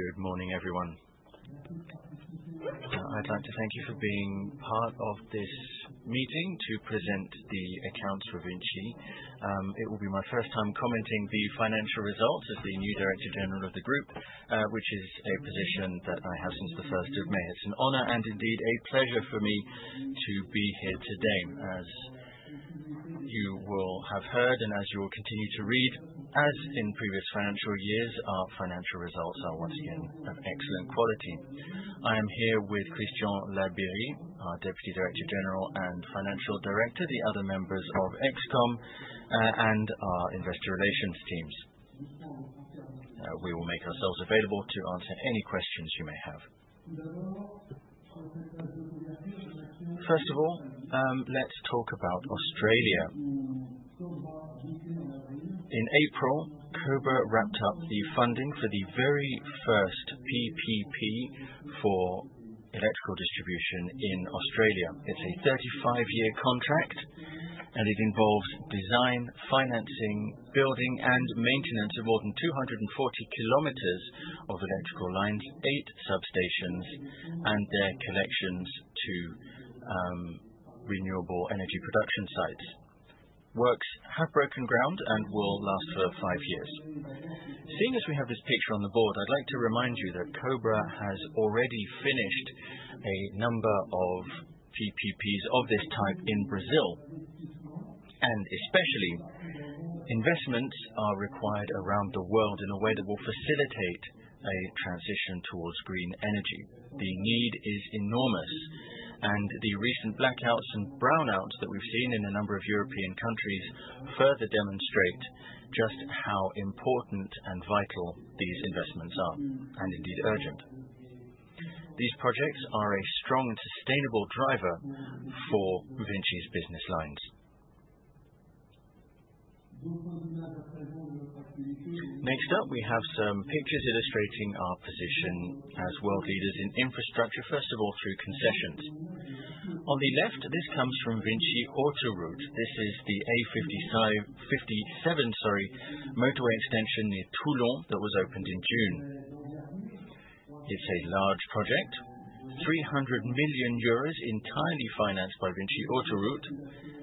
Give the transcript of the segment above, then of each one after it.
Good morning, everyone. I'd like to thank you for being part of this meeting to present the accounts for VINCI. It will be my first time commenting on the financial results as the new Director General of the group, which is a position that I have since the 1st of May. It's an honor and indeed a pleasure for me to be here today. As you will have heard and as you will continue to read, as in previous financial years, our financial results are once again of excellent quality. I am here with Christian Labeyrie, our Deputy Director General and Financial Director, the other members of EXCOM, and our investor relations teams. We will make ourselves available to answer any questions you may have. First of all, let's talk about Australia. In April, Cobra wrapped up the funding for the very first PPP for electrical distribution in Australia. It's a 35-year contract, and it involves design, financing, building, and maintenance of more than 240 km of electrical lines, eight substations, and their connections to renewable energy production sites. Works have broken ground and will last for five years. Seeing as we have this picture on the board, I'd like to remind you that Cobra has already finished a number of PPPs of this type in Brazil. Especially, investments are required around the world in a way that will facilitate a transition towards green energy. The need is enormous, and the recent blackouts and brownouts that we've seen in a number of European countries further demonstrate just how important and vital these investments are, and indeed urgent. These projects are a strong and sustainable driver for VINCI's business lines. Next up, we have some pictures illustrating our position as world leaders in infrastructure, first of all through concessions. On the left, this comes from VINCI Autoroutes. This is the A57 motorway extension near Toulon that was opened in June. It's a large project, 300 million euros entirely financed by VINCI Autoroutes.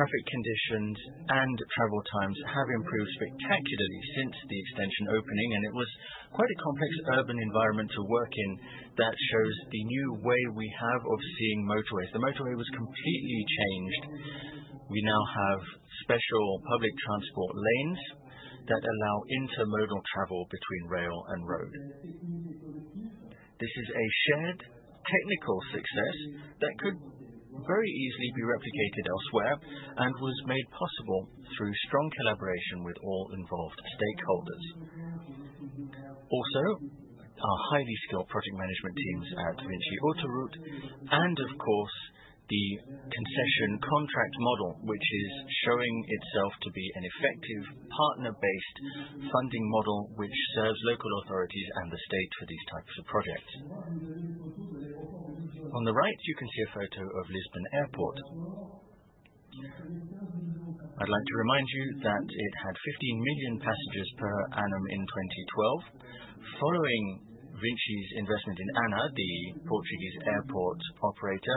Traffic conditions and travel times have improved spectacularly since the extension opening, and it was quite a complex urban environment to work in. That shows the new way we have of seeing motorways. The motorway was completely changed. We now have special public transport lanes that allow intermodal travel between rail and road. This is a shared technical success that could very easily be replicated elsewhere and was made possible through strong collaboration with all involved stakeholders. Also, our highly skilled project management teams at VINCI Autoroutes, and of course, the concession contract model, which is showing itself to be an effective partner-based funding model which serves local authorities and the state for these types of projects. On the right, you can see a photo of Lisbon Airport. I'd like to remind you that it had 15 million passengers p.a in 2012. Following VINCI's investment in ANA, the Portuguese airport operator,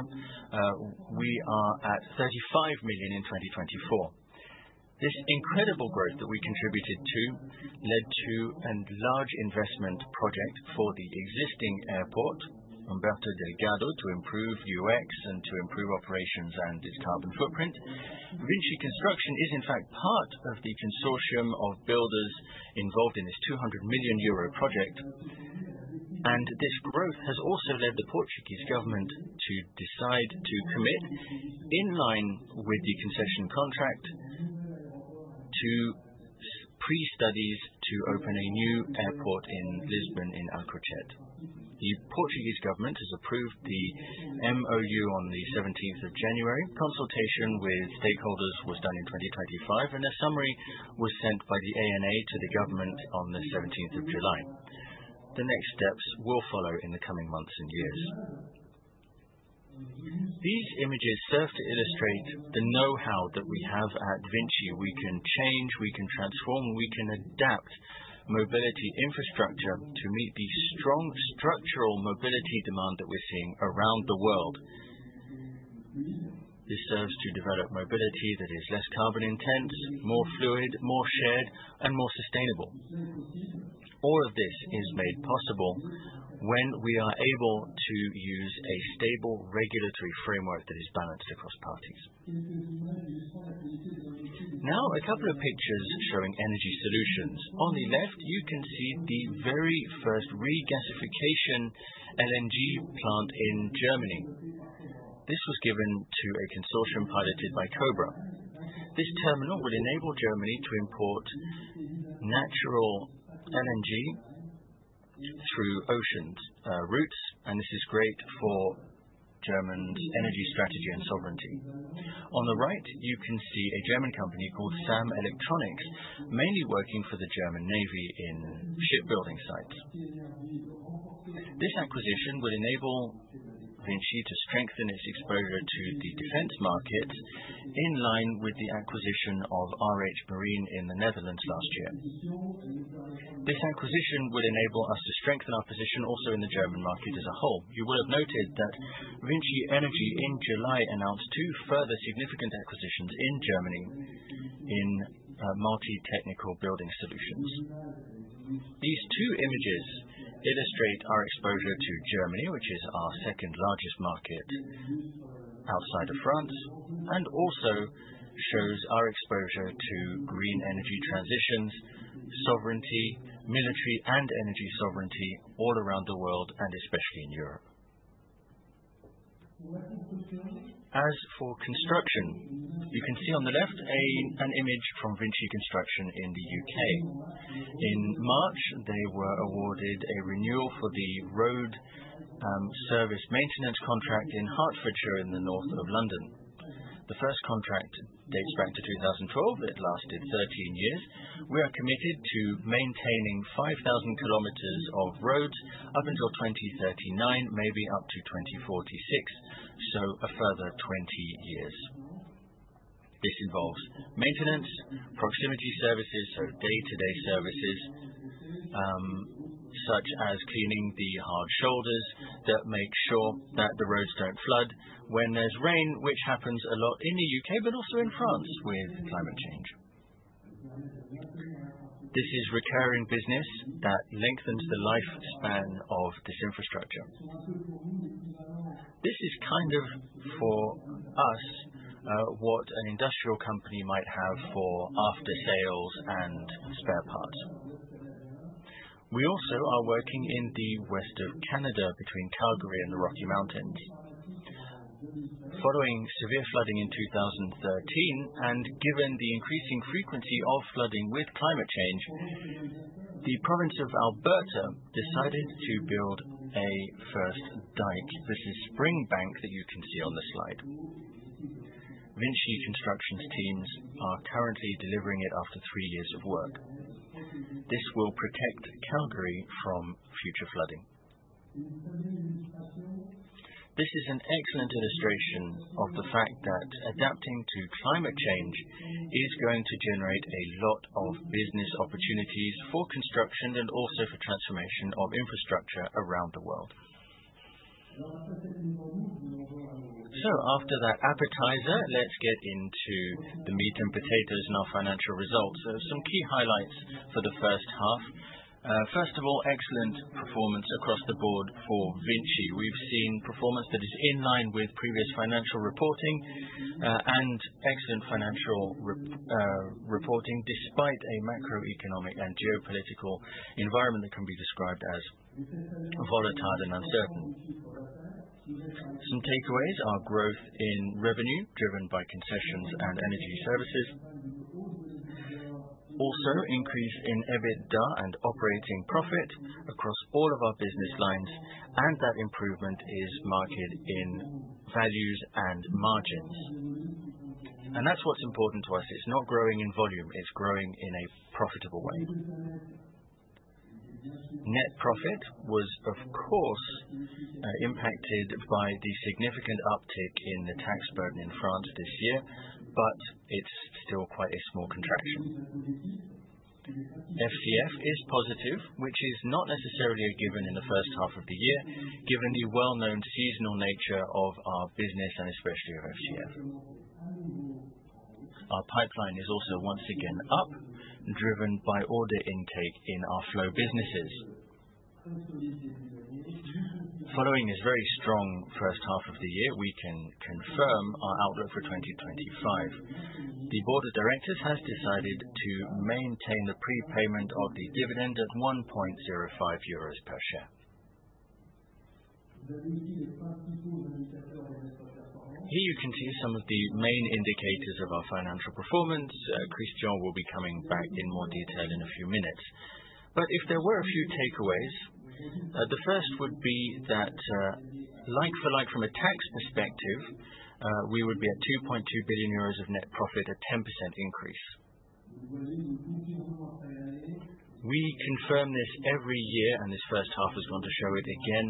we are at 35 million in 2024. This incredible growth that we contributed to led to a large investment project for the existing airport, Umberto Delgado, to improve UX and to improve operations and its carbon footprint. VINCI Construction is, in fact, part of the consortium of builders involved in this 200 million euro project. This growth has also led the Portuguese government to decide to commit, in line with the concession contract, to pre-studies to open a new airport in Lisbon in Alcochete. The Portuguese government has approved the MOU on the 17th of January. Consultation with stakeholders was done in 2025, and a summary was sent by ANA to the government on the 17th of July. The next steps will follow in the coming months and years. These images serve to illustrate the know-how that we have at VINCI. We can change, we can transform, we can adapt mobility infrastructure to meet the strong structural mobility demand that we're seeing around the world. This serves to develop mobility that is less carbon intense, more fluid, more shared, and more sustainable. All of this is made possible when we are able to use a stable regulatory framework that is balanced across parties. Now, a couple of pictures showing energy solutions. On the left, you can see the very first regasification LNG plant in Germany. This was given to a consortium piloted by Cobra. This terminal will enable Germany to import natural LNG through ocean routes, and this is great for Germany's energy strategy and sovereignty. On the right, you can see a German company called Sam Electronics, mainly working for the German Navy in shipbuilding sites. This acquisition will enable VINCI to strengthen its exposure to the defense market in line with the acquisition of RH Marine in the Netherlands last year. This acquisition will enable us to strengthen our position also in the German market as a whole. You will have noted that VINCI Energies in July announced two further significant acquisitions in Germany in. Multi-technical building solutions. These two images illustrate our exposure to Germany, which is our second-largest market outside of France, and also show our exposure to green energy transitions, sovereignty, military, and energy sovereignty all around the world, and especially in Europe. As for construction, you can see on the left an image from VINCI Construction in the U.K. In March, they were awarded a renewal for the road service maintenance contract in Hertfordshire in the north of London. The first contract dates back to 2012. It lasted 13 years. We are committed to maintaining 5,000 km of roads up until 2039, maybe up to 2046, so a further 20 years. This involves maintenance, proximity services, so day-to-day services such as cleaning the hard shoulders that make sure that the roads don't flood when there's rain, which happens a lot in the U.K., but also in France with climate change. This is recurring business that lengthens the lifespan of this infrastructure. This is kind of for us what an industrial company might have for after-sales and spare parts. We also are working in the west of Canada between Calgary and the Rocky Mountains. Following severe flooding in 2013 and given the increasing frequency of flooding with climate change, the province of Alberta decided to build a first dike. This is Spring Bank that you can see on the slide. VINCI Construction's teams are currently delivering it after three years of work. This will protect Calgary from future flooding. This is an excellent illustration of the fact that adapting to climate change is going to generate a lot of business opportunities for construction and also for transformation of infrastructure around the world. After that appetizer, let's get into the meat and potatoes and our financial results. There are some key highlights for the first half. First of all, excellent performance across the board for VINCI. We've seen performance that is in line with previous financial reporting and excellent financial reporting despite a macroeconomic and geopolitical environment that can be described as volatile and uncertain. Some takeaways are growth in revenue driven by concessions and energy services. Also, increase in EBITDA and operating profit across all of our business lines, and that improvement is marked in values and margins. That's what's important to us. It's not growing in volume. It's growing in a profitable way. Net profit was, of course. Impacted by the significant uptick in the tax burden in France this year, but it's still quite a small contraction. FCF is positive, which is not necessarily a given in the first half of the year, given the well-known seasonal nature of our business and especially of FCF. Our pipeline is also once again up, driven by order intake in our flow businesses. Following this very strong first half of the year, we can confirm our outlook for 2025. The Board of Directors has decided to maintain the prepayment of the dividend at 1.05 euros per share. Here you can see some of the main indicators of our financial performance. Christian will be coming back in more detail in a few minutes. If there were a few takeaways, the first would be that, like for like from a tax perspective, we would be at 2.2 billion euros of net profit, a 10% increase. We confirm this every year, and this first half is going to show it again.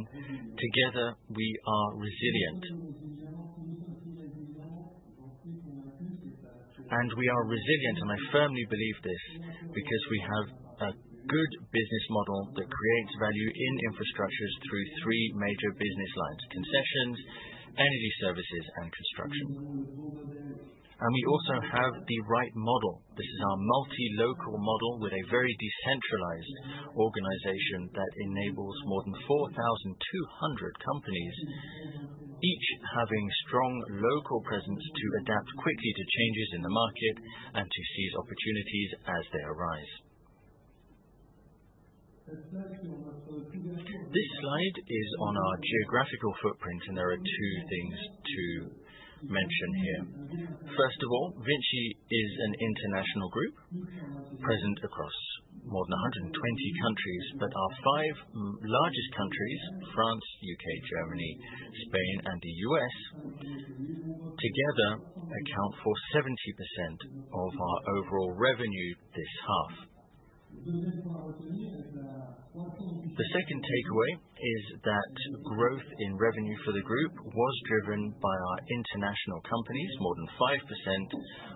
Together, we are resilient. We are resilient, and I firmly believe this because we have a good business model that creates value in infrastructures through three major business lines: concessions, energy services, and construction. We also have the right model. This is our multi-local model with a very decentralized organization that enables more than 4,200 companies, each having strong local presence to adapt quickly to changes in the market and to seize opportunities as they arise. This slide is on our geographical footprint, and there are two things to mention here. First of all, VINCI is an international group, present across more than 120 countries, but our five largest countries, France, U.K., Germany, Spain, and the U.S., together account for 70% of our overall revenue this half. The second takeaway is that growth in revenue for the group was driven by our international companies, more than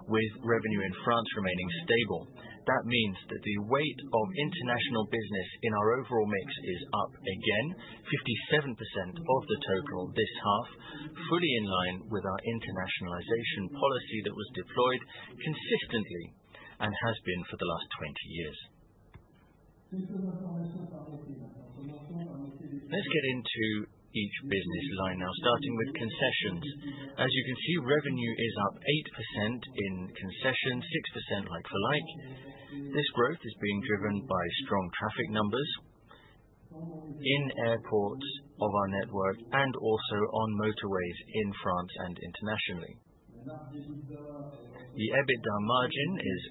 5%, with revenue in France remaining stable. That means that the weight of international business in our overall mix is up again, 57% of the total this half, fully in line with our internationalization policy that was deployed consistently and has been for the last 20 years. Let's get into each business line now, starting with concessions. As you can see, revenue is up 8% in concessions, 6% like for like. This growth is being driven by strong traffic numbers in airports of our network, and also on motorways in France and internationally. The EBITDA margin is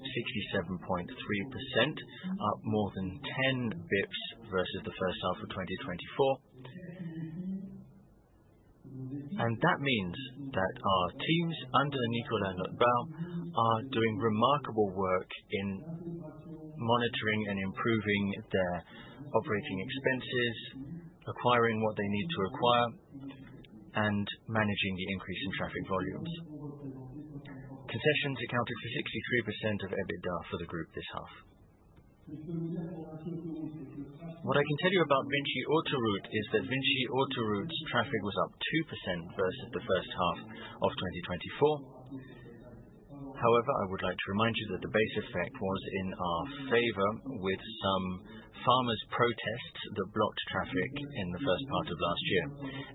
67.3%, up more than 10 bps versus the first half of 2024. That means that our teams under Nicolas Notebaert are doing remarkable work in monitoring and improving their operating expenses, acquiring what they need to acquire, and managing the increase in traffic volumes. Concessions accounted for 63% of EBITDA for the group this half. What I can tell you about VINCI Autoroutes is that VINCI Autoroutes' traffic was up 2% versus the first half of 2024. However, I would like to remind you that the base effect was in our favor with some farmers' protests that blocked traffic in the first part of last year.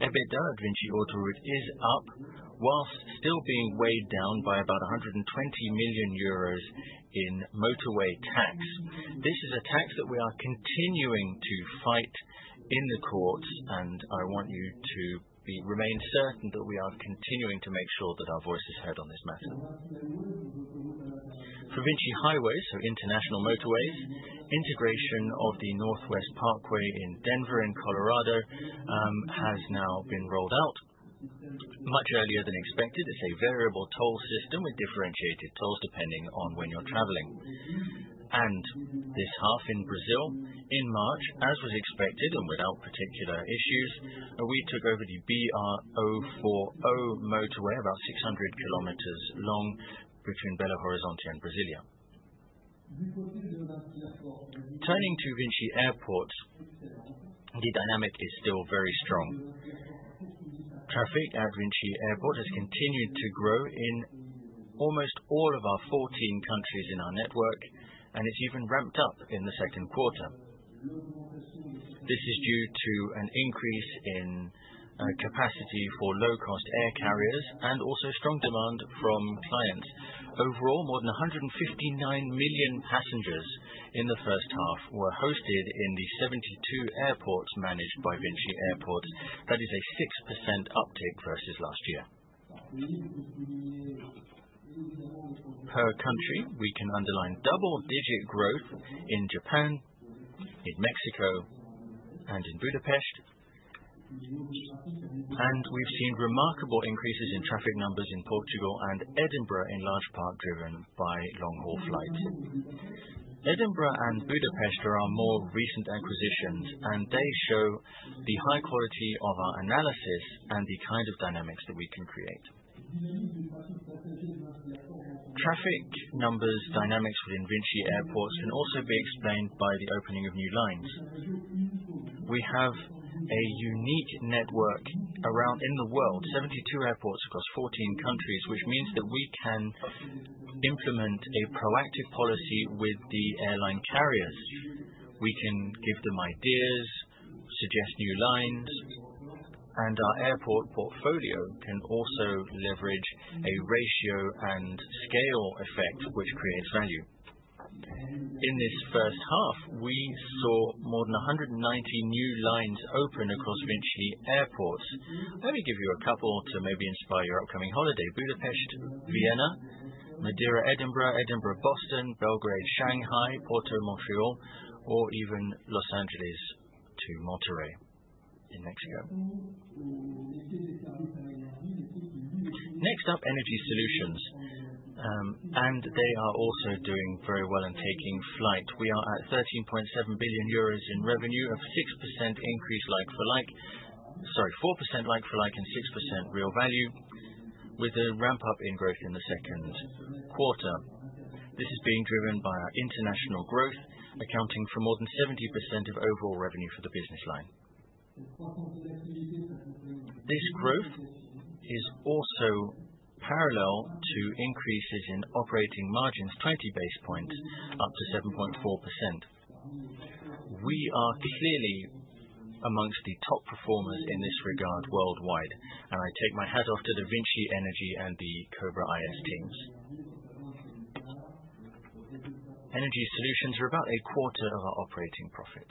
EBITDA at VINCI Autoroutes is up, while still being weighed down by about 120 million euros in motorway tax. This is a tax that we are continuing to fight in the courts, and I want you to remain certain that we are continuing to make sure that our voice is heard on this matter. For VINCI Highways, international motorways, integration of the Northwest Parkway in Denver and Colorado has now been rolled out much earlier than expected. It is a variable toll system with differentiated tolls depending on when you're traveling. This half in Brazil, in March, as was expected and without particular issues, we took over the BR-040 motorway, about 600 km long, between Belo Horizonte and Brasília. Turning to VINCI Airports, the dynamic is still very strong. Traffic at VINCI Airports has continued to grow in almost all of our 14 countries in our network, and it has even ramped up in the second quarter. This is due to an increase in capacity for low-cost air carriers and also strong demand from clients. Overall, more than 159 million passengers in the first half were hosted in the 72 airports managed by VINCI Airports. That is a 6% uptick versus last year. Per country, we can underline double-digit growth in Japan, in Mexico, and in Budapest. We have seen remarkable increases in traffic numbers in Portugal and Edinburgh, in large part driven by long-haul flights. Edinburgh and Budapest are our more recent acquisitions, and they show the high quality of our analysis and the kind of dynamics that we can create. Traffic numbers dynamics within VINCI Airports can also be explained by the opening of new lines. We have a unique network around the world, 72 airports across 14 countries, which means that we can implement a proactive policy with the airline carriers. We can give them ideas, suggest new lines, and our airport portfolio can also leverage a ratio and scale effect, which creates value. In this first half, we saw more than 190 new lines open across VINCI Airports. Let me give you a couple to maybe inspire your upcoming holiday: Budapest, Vienna, Madeira, Edinburgh, Edinburgh, Boston, Belgrade, Shanghai, Porto, Montreal, or even Los Angeles to Monterrey in Mexico. Next up, energy solutions. They are also doing very well and taking flight. We are at 13.7 billion euros in revenue, a 4% like for like and 6% real value, with a ramp-up in growth in the second quarter. This is being driven by our international growth, accounting for more than 70% of overall revenue for the business line. This growth is also parallel to increases in operating margins, 20 basis points, up to 7.4%. We are clearly amongst the top performers in this regard worldwide, and I take my hat off to the VINCI Energies and the Cobra IS teams. Energy solutions are about a quarter of our operating profit.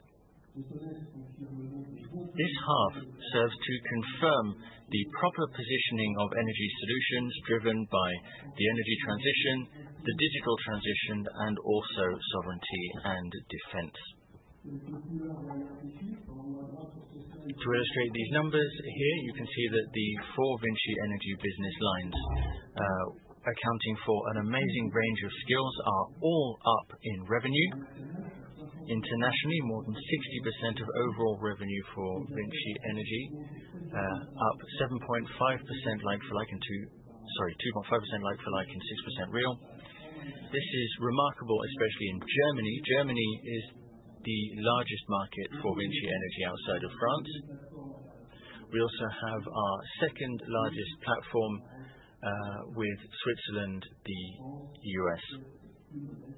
This half serves to confirm the proper positioning of energy solutions driven by the energy transition, the digital transition, and also sovereignty and defense. To illustrate these numbers here, you can see that the four VINCI Energies business lines, accounting for an amazing range of skills, are all up in revenue. Internationally, more than 60% of overall revenue for VINCI Energies, up 2.5% like for like and 6% real. This is remarkable, especially in Germany. Germany is the largest market for VINCI Energies outside of France. We also have our second-largest platform with Switzerland, the U.S.,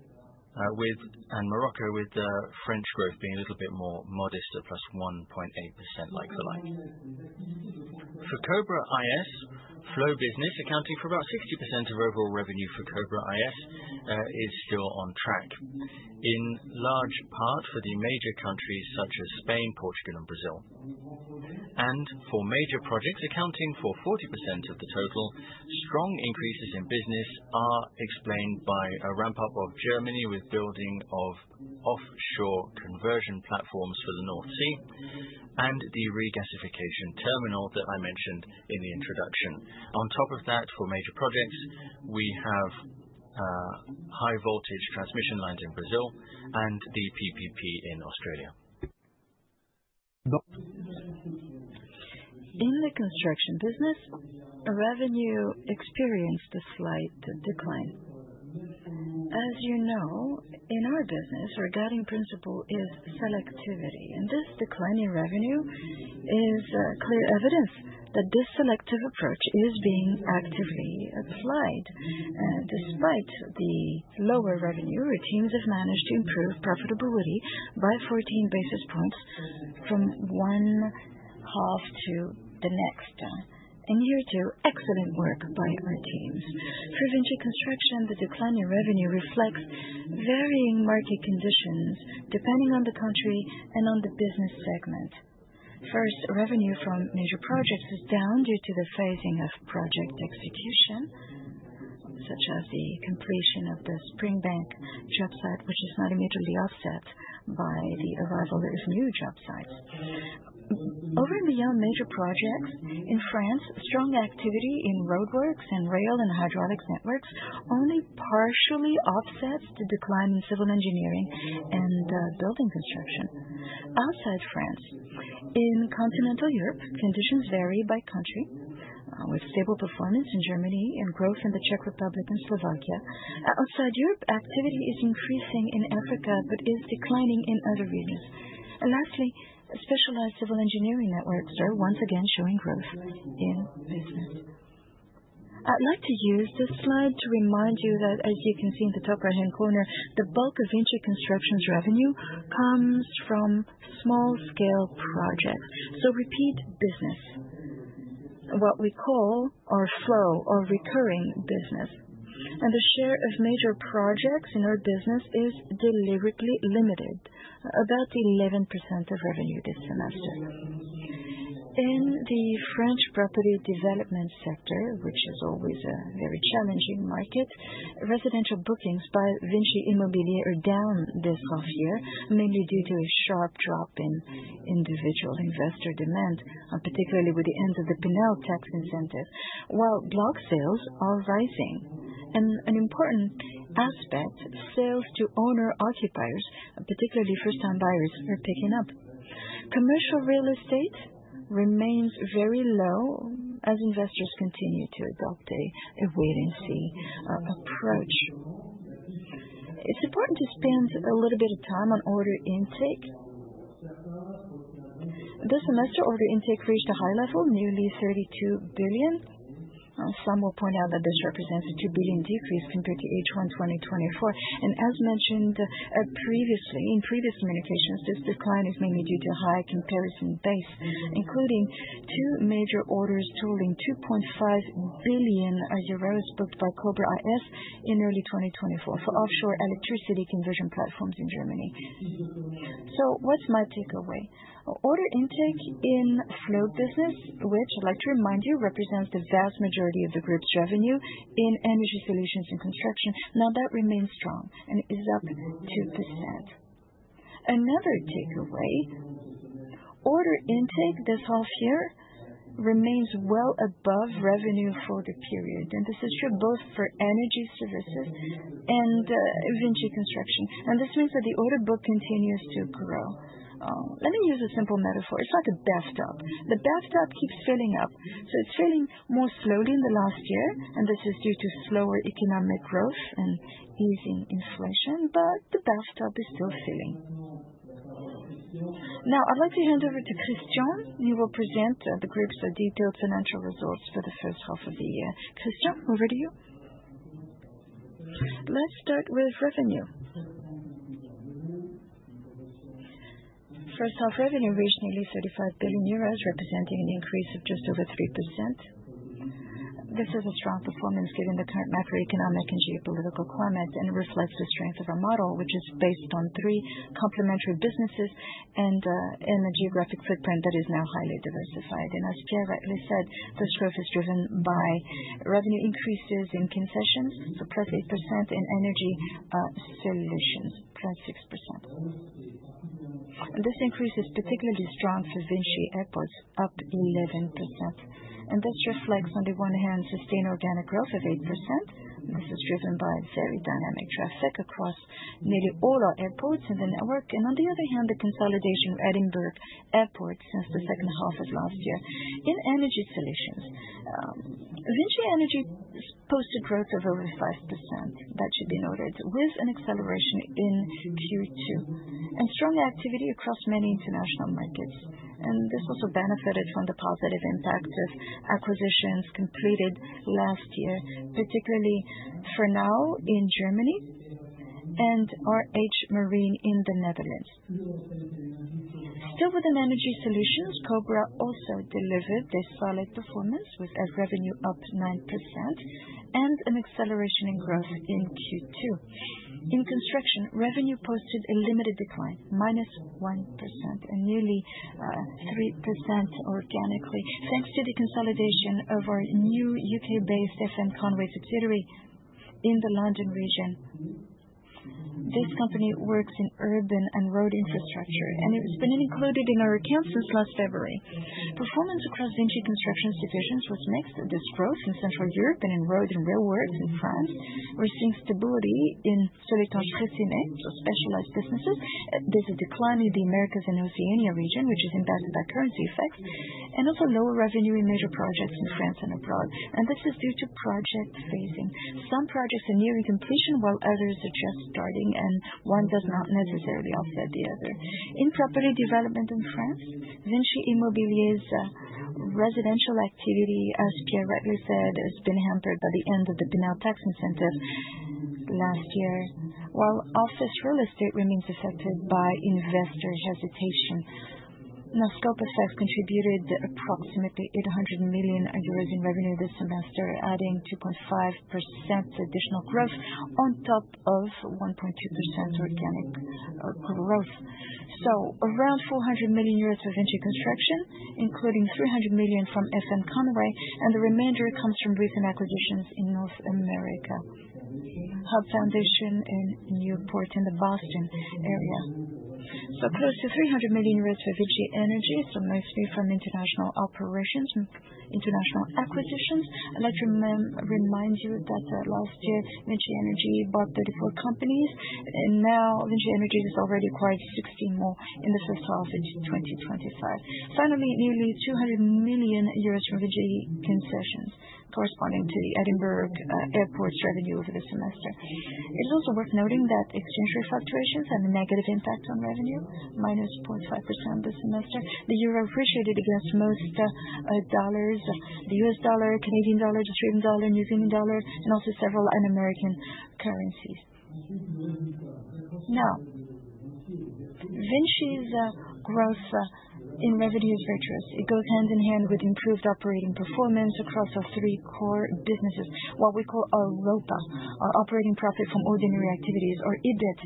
and Morocco, with the French growth being a little bit more modest, at plus 1.8% like for like. For Cobra IS, flow business accounting for about 60% of overall revenue for Cobra IS is still on track, in large part for the major countries such as Spain, Portugal, and Brazil. For major projects accounting for 40% of the total, strong increases in business are explained by a ramp-up of Germany with building of offshore conversion platforms for the North Sea and the regasification terminal that I mentioned in the introduction. On top of that, for major projects, we have high-voltage transmission lines in Brazil and the PPP in Australia. In the construction business, revenue experienced a slight decline. In our business, our guiding principle is selectivity. This declining revenue is clear evidence that this selective approach is being actively applied. Despite the lower revenue, our teams have managed to improve profitability by 14 basis points from one half to the next. Here too, excellent work by our teams. For VINCI Construction, the decline in revenue reflects varying market conditions depending on the country and on the business segment. First, revenue from major projects is down due to the phasing of project execution, such as the completion of the Springbank job site, which is not immediately offset by the arrival of new job sites. Over and beyond major projects in France, strong activity in roadworks and rail and hydraulics networks only partially offsets the decline in civil engineering and building construction. Outside France, in continental Europe, conditions vary by country, with stable performance in Germany and growth in the Czech Republic and Slovakia. Outside Europe, activity is increasing in Africa but is declining in other regions. Lastly, specialized civil engineering networks are once again showing growth in business. I'd like to use this slide to remind you that, as you can see in the top right-hand corner, the bulk of VINCI Construction's revenue comes from small-scale projects, so repeat business, what we call our flow or recurring business. The share of major projects in our business is deliberately limited, about 11% of revenue this semester. In the French property development sector, which is always a very challenging market, residential bookings by VINCI Immobilier are down this half year, mainly due to a sharp drop in individual investor demand, particularly with the end of the Pinel tax incentive, while block sales are rising. An important aspect is that sales to owner-occupiers, particularly first-time buyers, are picking up. Commercial real estate remains very low as investors continue to adopt a wait-and-see approach. It's important to spend a little bit of time on order intake. This semester, order intake reached a high level, nearly 32 billion. Some will point out that this represents a 2 billion decrease compared to H1 2024. As mentioned previously, in previous communications, this decline is mainly due to a high comparison base, including two major orders totaling 2.5 billion euros booked by Cobra IS in early 2024 for offshore electricity conversion platforms in Germany. What's my takeaway? Order intake in flow business, which, I'd like to remind you, represents the vast majority of the group's revenue in energy solutions and construction, now that remains strong and is up 2%. Another takeaway. Order intake this half year remains well above revenue for the period. This is true both for energy services and VINCI Construction. This means that the order book continues to grow. Let me use a simple metaphor. It's like a bathtub. The bathtub keeps filling up. It's filling more slowly in the last year, and this is due to slower economic growth and easing inflation, but the bathtub is still filling. Now, I'd like to hand over to Christian. He will present the group's detailed financial results for the first half of the year. Christian, over to you. Let's start with revenue. First half revenue reached nearly 35 billion euros, representing an increase of just over 3%. This is a strong performance given the current macroeconomic and geopolitical climate, and it reflects the strength of our model, which is based on three complementary businesses and a geographic footprint that is now highly diversified. As Pierre rightly said, this growth is driven by revenue increases in concessions, so plus 8%, and energy solutions, plus 6%. This increase is particularly strong for VINCI Airports, up 11%. This reflects, on the one hand, sustained organic growth of 8%. This is driven by very dynamic traffic across nearly all our airports in the network. On the other hand, the consolidation of Edinburgh Airport since the second half of last year. In energy solutions, VINCI Energies posted growth of over 5%. That should be noted, with an acceleration in Q2 and strong activity across many international markets. This also benefited from the positive impact of acquisitions completed last year, particularly FRENAU in Germany and RH Marine in the Netherlands. Still within energy solutions, Cobra also delivered a solid performance with revenue up 9% and an acceleration in growth in Q2. In construction, revenue posted a limited decline, minus 1%, and nearly 3% organically, thanks to the consolidation of our new U.K.-based FM Conway subsidiary in the London region. This company works in urban and road infrastructure, and it has been included in our accounts since last February. Performance across VINCI Construction's divisions was mixed. This growth in central Europe and in road and railworks in France. We're seeing stability in solitaire trésiné, so specialized businesses. There's a decline in the Americas and Oceania region, which is impacted by currency effects, and also lower revenue in major projects in France and abroad. This is due to project phasing. Some projects are nearing completion, while others are just starting, and one does not necessarily offset the other. In property development in France, VINCI Immobilier's residential activity, as Pierre rightly said, has been hampered by the end of the Pinel tax incentive last year, while office real estate remains affected by investor hesitation. Now, scope effects contributed approximately 800 million euros in revenue this semester, adding 2.5% additional growth on top of 1.2% organic growth. Around 400 million euros for VINCI Construction, including 300 million from FM Conway, and the remainder comes from recent acquisitions in North America, Hub Foundation in Newport in the Boston area. Close to 300 million euros for VINCI Energies, mostly from international operations and international acquisitions. I'd like to remind you that last year, VINCI Energies bought 34 companies, and now VINCI Energies has already acquired 60 more in the first half of 2025. Finally, nearly 200 million euros from VINCI Concessions, corresponding to the Edinburgh Airport's revenue over the semester. It is also worth noting that exchange rate fluctuations had a negative impact on revenue, minus 0.5% this semester. The euro appreciated against most dollars, the U.S. dollar, Canadian dollar, Australian dollar, New Zealand dollar, and also several other American currencies. VINCI's growth in revenue is virtuous. It goes hand in hand with improved operating performance across our three core businesses, what we call AROPA, our operating profit from ordinary activities, or EBIT.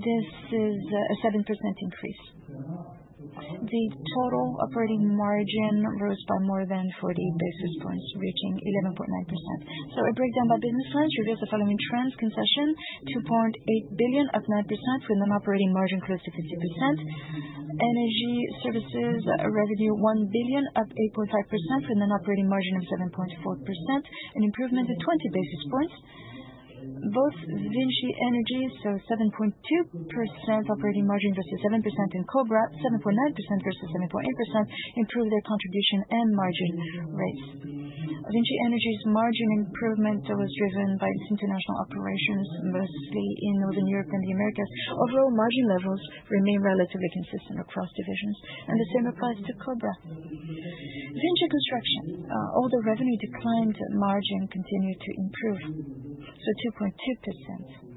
This is a 7% increase. The total operating margin rose by more than 40 basis points, reaching 11.9%. A breakdown by business lines reveals the following trends: Concessions, 2.8 billion, up 9%, with an operating margin close to 50%. Energy services revenue, 1 billion, up 8.5%, with an operating margin of 7.4%, an improvement of 20 basis points. Both VINCI Energies, 7.2% operating margin versus 7% in Cobra, 7.9% versus 7.8%, improved their contribution and margin rates. VINCI Energies' margin improvement was driven by its international operations, mostly in Northern Europe and the Americas. Overall, margin levels remain relatively consistent across divisions, and the same applies to Cobra IS. VINCI Construction, although revenue declined, margin continued to improve, so 2.2%.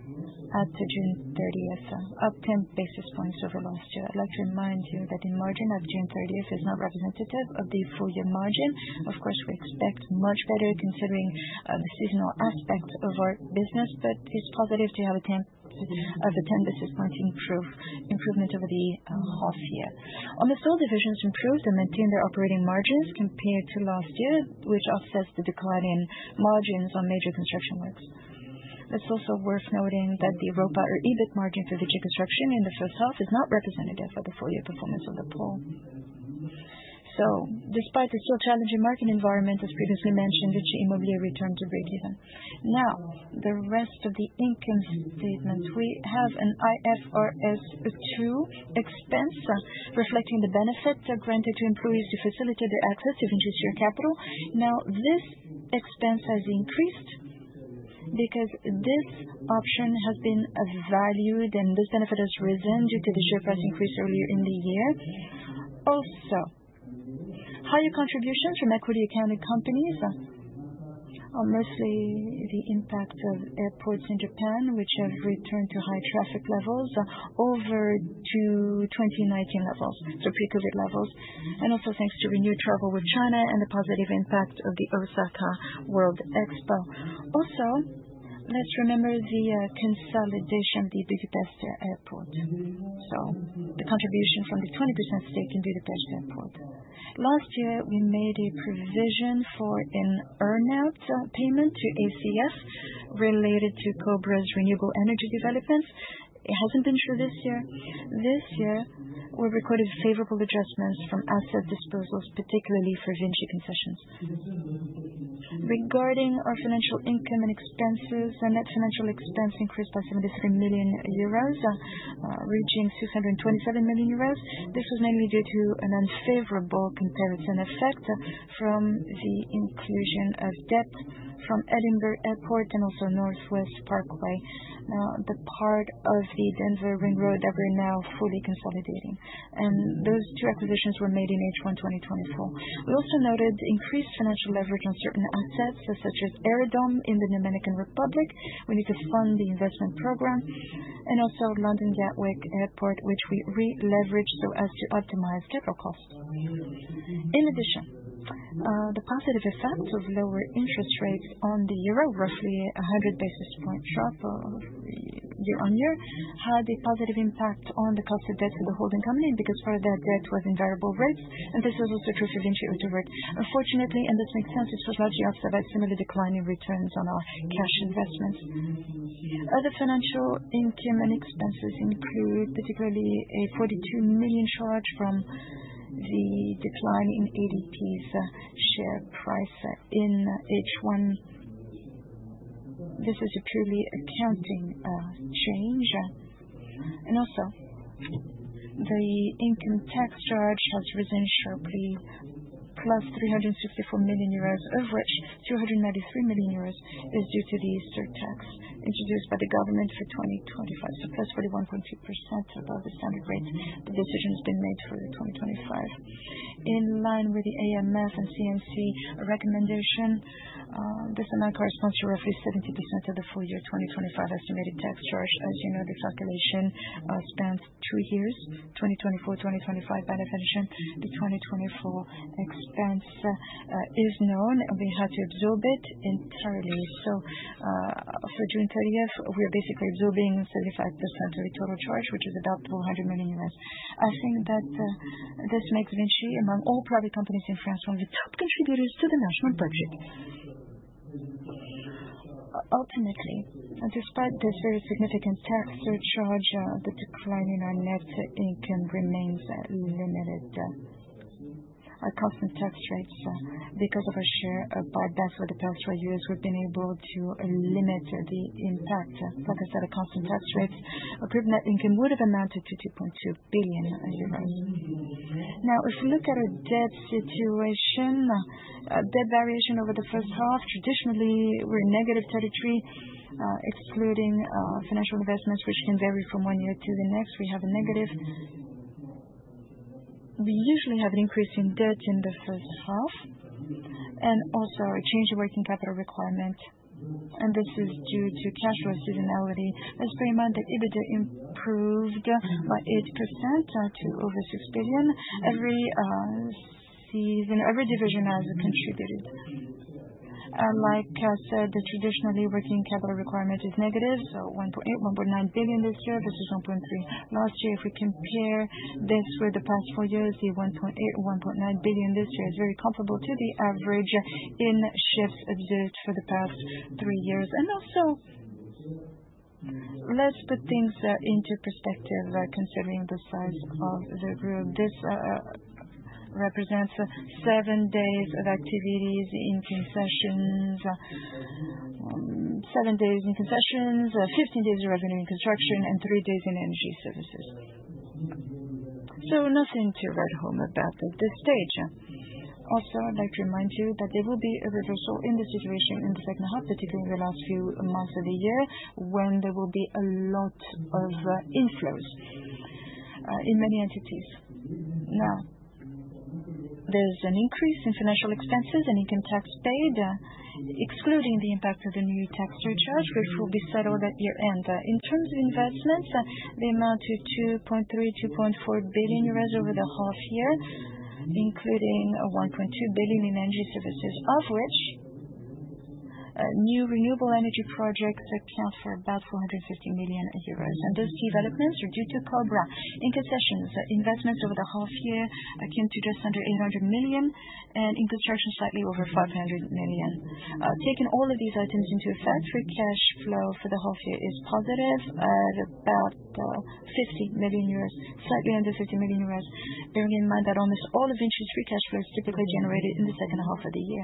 At June 30th, up 10 basis points over last year. I'd like to remind you that the margin at June 30th is not representative of the full-year margin. Of course, we expect much better considering the seasonal aspect of our business, but it's positive to have a 10 basis point improvement over the half year. Almost all divisions improved and maintained their operating margins compared to last year, which offsets the decline in margins on major construction works. It's also worth noting that the ROPA or EBIT margin for VINCI Construction in the first half is not representative of the full-year performance on the pole. Despite the still challenging market environment, as previously mentioned, VINCI Immobilier returned to break-even. Now, the rest of the income statement, we have an IFRS 2 expense reflecting the benefits granted to employees to facilitate their access to VINCI's share capital. This expense has increased because this option has been valued, and this benefit has risen due to the share price increase earlier in the year. Also, higher contributions from equity-accounting companies are mostly the impact of airports in Japan, which have returned to high traffic levels over to 2019 levels, so pre-COVID levels, and also thanks to renewed travel with China and the positive impact of the Osaka World Expo. Let's remember the consolidation of the Budapest Airport, so the contribution from the 20% stake in Budapest Airport. Last year, we made a provision for an earnout payment to ACF related to Cobra IS's renewable energy developments. It hasn't been true this year. This year, we've recorded favorable adjustments from asset disposals, particularly for VINCI Concessions. Regarding our financial income and expenses, the net financial expense increased by 73 million euros, reaching 627 million euros. This was mainly due to an unfavorable comparison effect from the inclusion of debt from Edinburgh Airport and also Northwest Parkway, the part of the Denver Ring Road that we're now fully consolidating. Those two acquisitions were made in H1 2024. We also noted increased financial leverage on certain assets, such as Aerodome in the Dominican Republic. We need to fund the investment program, and also London Gatwick Airport, which we re-leveraged so as to optimize capital costs. In addition, the positive effect of lower interest rates on the euro, roughly 100 basis points sharp year-on-year, had a positive impact on the cost of debt for the holding company because part of that debt was in variable rates, and this is also true for VINCI Autoroutes. Unfortunately, and this makes sense, it's largely offset by a similar decline in returns on our cash investments. Other financial income and expenses include particularly a 42 million charge from the decline in ADP's share price in H1. This is a purely accounting change. Also, the income tax charge has risen sharply, +364 million euros, of which 293 million euros is due to the Easter tax introduced by the government for 2025, so plus 41.2% above the standard rate. That decision has been made for 2025 in line with the AMF and CNC recommendation. This amount corresponds to roughly 70% of the full-year 2025 estimated tax charge. As you know, the calculation spans two years, 2024-2025 by definition. The 2024 expense is known, and we had to absorb it entirely. For June 30th, we are basically absorbing 75% of the total charge, which is about 400 million. I think that this makes VINCI, among all private companies in France, one of the top contributors to the national budget. Ultimately, despite this very significant tax surcharge, the decline in our net income remains limited. Our constant tax rates, because of our share buyback for the past 12 years, we've been able to limit the impact. Like I said, our constant tax rates of net income would have amounted to 2.2 billion euros. Now, if we look at our debt situation, debt variation over the first half, traditionally, we're in negative territory, excluding financial investments, which can vary from one year to the next. We have a negative. We usually have an increase in debt in the first half and also a change in working capital requirement. This is due to cash flow seasonality. As per EMAN, the EBITDA improved by 8% to over 6 billion. Every division has contributed. Like I said, the traditionally working capital requirement is negative, so 1.8, €1.9 billion this year, versus 1.3 billion last year. If we compare this with the past four years, the 1.8, 1.9 billion this year is very comparable to the average in shifts observed for the past three years. Also, let's put things into perspective considering the size of the group. This represents seven days of activities in concessions, 15 days in revenue in construction, and three days in energy services. Nothing to write home about at this stage. I'd like to remind you that there will be a reversal in the situation in the second half, particularly in the last few months of the year, when there will be a lot of inflows in many entities. Now, there's an increase in financial expenses and income tax paid, excluding the impact of the new tax surcharge, which will be settled at year-end. In terms of investments, they amount to 2.3, 2.4 billion euros over the half year, including 1.2 billion in energy services, of which new renewable energy projects account for about 450 million euros. Those developments are due to Cobra. In concessions, investments over the half year came to just under 800 million, and in construction, slightly over 500 million. Taking all of these items into effect, free cash flow for the half year is positive at about 50 million euros, slightly under 50 million euros, bearing in mind that almost all of VINCI's free cash flow is typically generated in the second half of the year.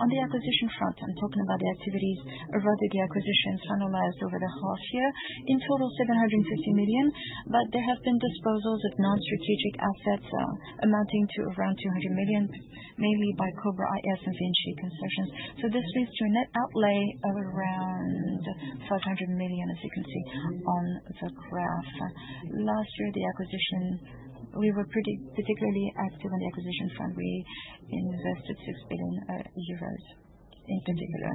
On the acquisition front, I'm talking about the activities or rather the acquisitions finalized over the half year. In total, 750 million, but there have been disposals of non-strategic assets amounting to around 200 million, mainly by Cobra IS and VINCI Concessions. This leads to a net outlay of around 500 million, as you can see on the graph. Last year, we were particularly active on the acquisition front. We invested 6 billion euros in particular.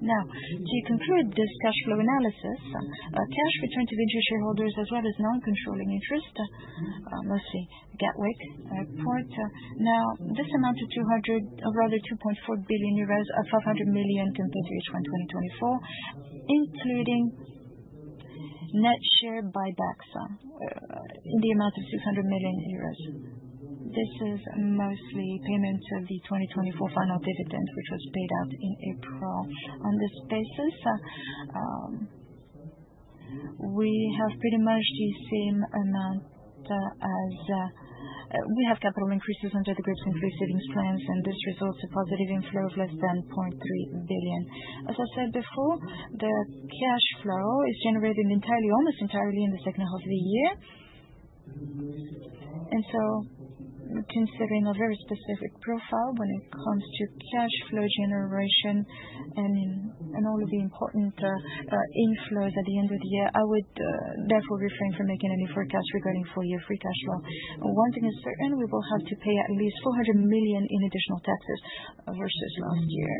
Now, to conclude this cash flow analysis, cash returned to VINCI shareholders as well as non-controlling interest, mostly Gatwick Airport. This amounted to 2.4 billion euros, 500 million compared to H1 2024, including net share buybacks in the amount of 600 million euros. This is mostly payment of the 2024 final dividend, which was paid out in April. On this basis, we have pretty much the same amount as we have capital increases under the group's increased savings plans, and this results in positive inflow of less than 0.3 billion. As I said before, the cash flow is generated almost entirely in the second half of the year. Considering a very specific profile when it comes to cash flow generation and all of the important inflows at the end of the year, I would therefore refrain from making any forecast regarding full-year free cash flow. One thing is certain, we will have to pay at least 400 million in additional taxes versus last year.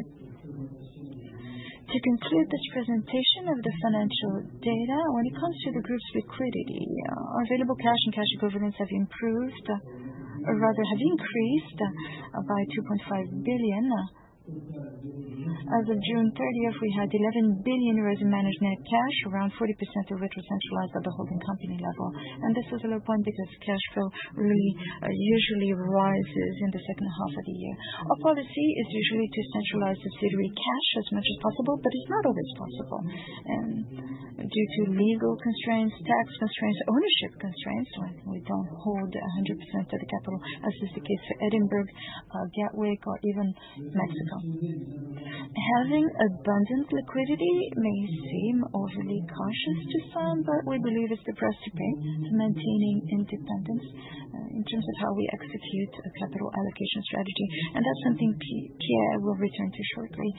To conclude this presentation of the financial data, when it comes to the group's liquidity, our available cash and cash equivalents have improved, or rather have increased by 2.5 billion. As of June 30th, we had 11 billion euros in management cash, around 40% of which was centralized at the holding company level. This is a low point because cash flow usually rises in the second half of the year. Our policy is usually to centralize subsidiary cash as much as possible, but it's not always possible due to legal constraints, tax constraints, and ownership constraints when we don't hold 100% of the capital, as is the case for Edinburgh, Gatwick, or even Mexico. Having abundant liquidity may seem overly cautious to some, but we believe it's the price to pay to maintain independence in terms of how we execute a capital allocation strategy. That's something Pierre will return to shortly.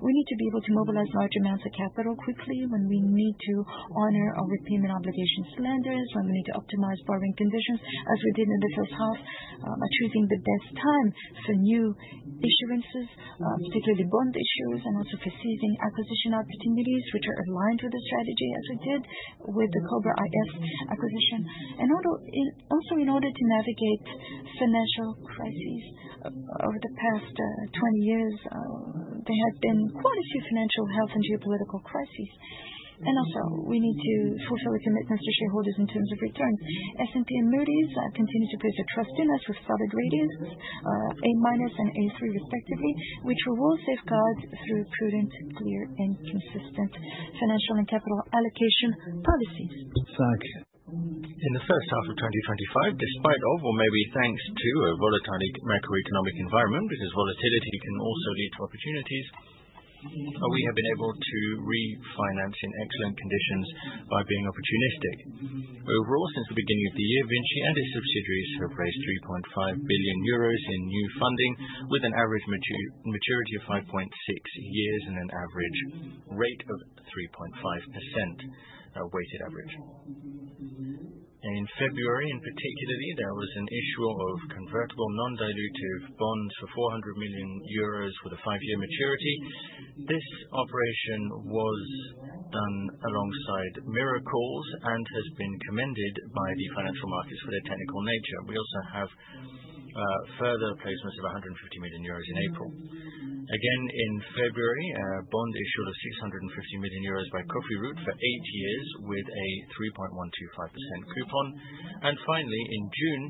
We need to be able to mobilize large amounts of capital quickly when we need to honor our repayment obligations to lenders, when we need to optimize borrowing conditions, as we did in the first half, by choosing the best time for new issuances, particularly bond issuances, and also for seizing acquisition opportunities, which are aligned with the strategy, as we did with the Cobra IS acquisition. Also, in order to navigate financial crises over the past 20 years, there have been quite a few financial health and geopolitical crises. We also need to fulfill a commitment to shareholders in terms of returns. S&P and Moody's continue to place trust in us with solid ratings, A- and A3 respectively, which we will safeguard through prudent, clear, and consistent financial and capital allocation policies. In fact, in the first half of 2025, maybe thanks to a volatile macroeconomic environment, because volatility can also lead to opportunities, we have been able to refinance in excellent conditions by being opportunistic. Overall, since the beginning of the year, VINCI and its subsidiaries have raised 3.5 billion euros in new funding, with an average maturity of 5.6 years and an average rate of 3.5%. Weighted average. In February, in particular, there was an issue of convertible non-dilutive bonds for 400 million euros with a five-year maturity. This operation was done alongside Miracles and has been commended by the financial markets for their technical nature. We also have further placements of 150 million euros in April. Again, in February, a bond issue of 650 million euros by Cobra for eight years with a 3.125% coupon. Finally, in June,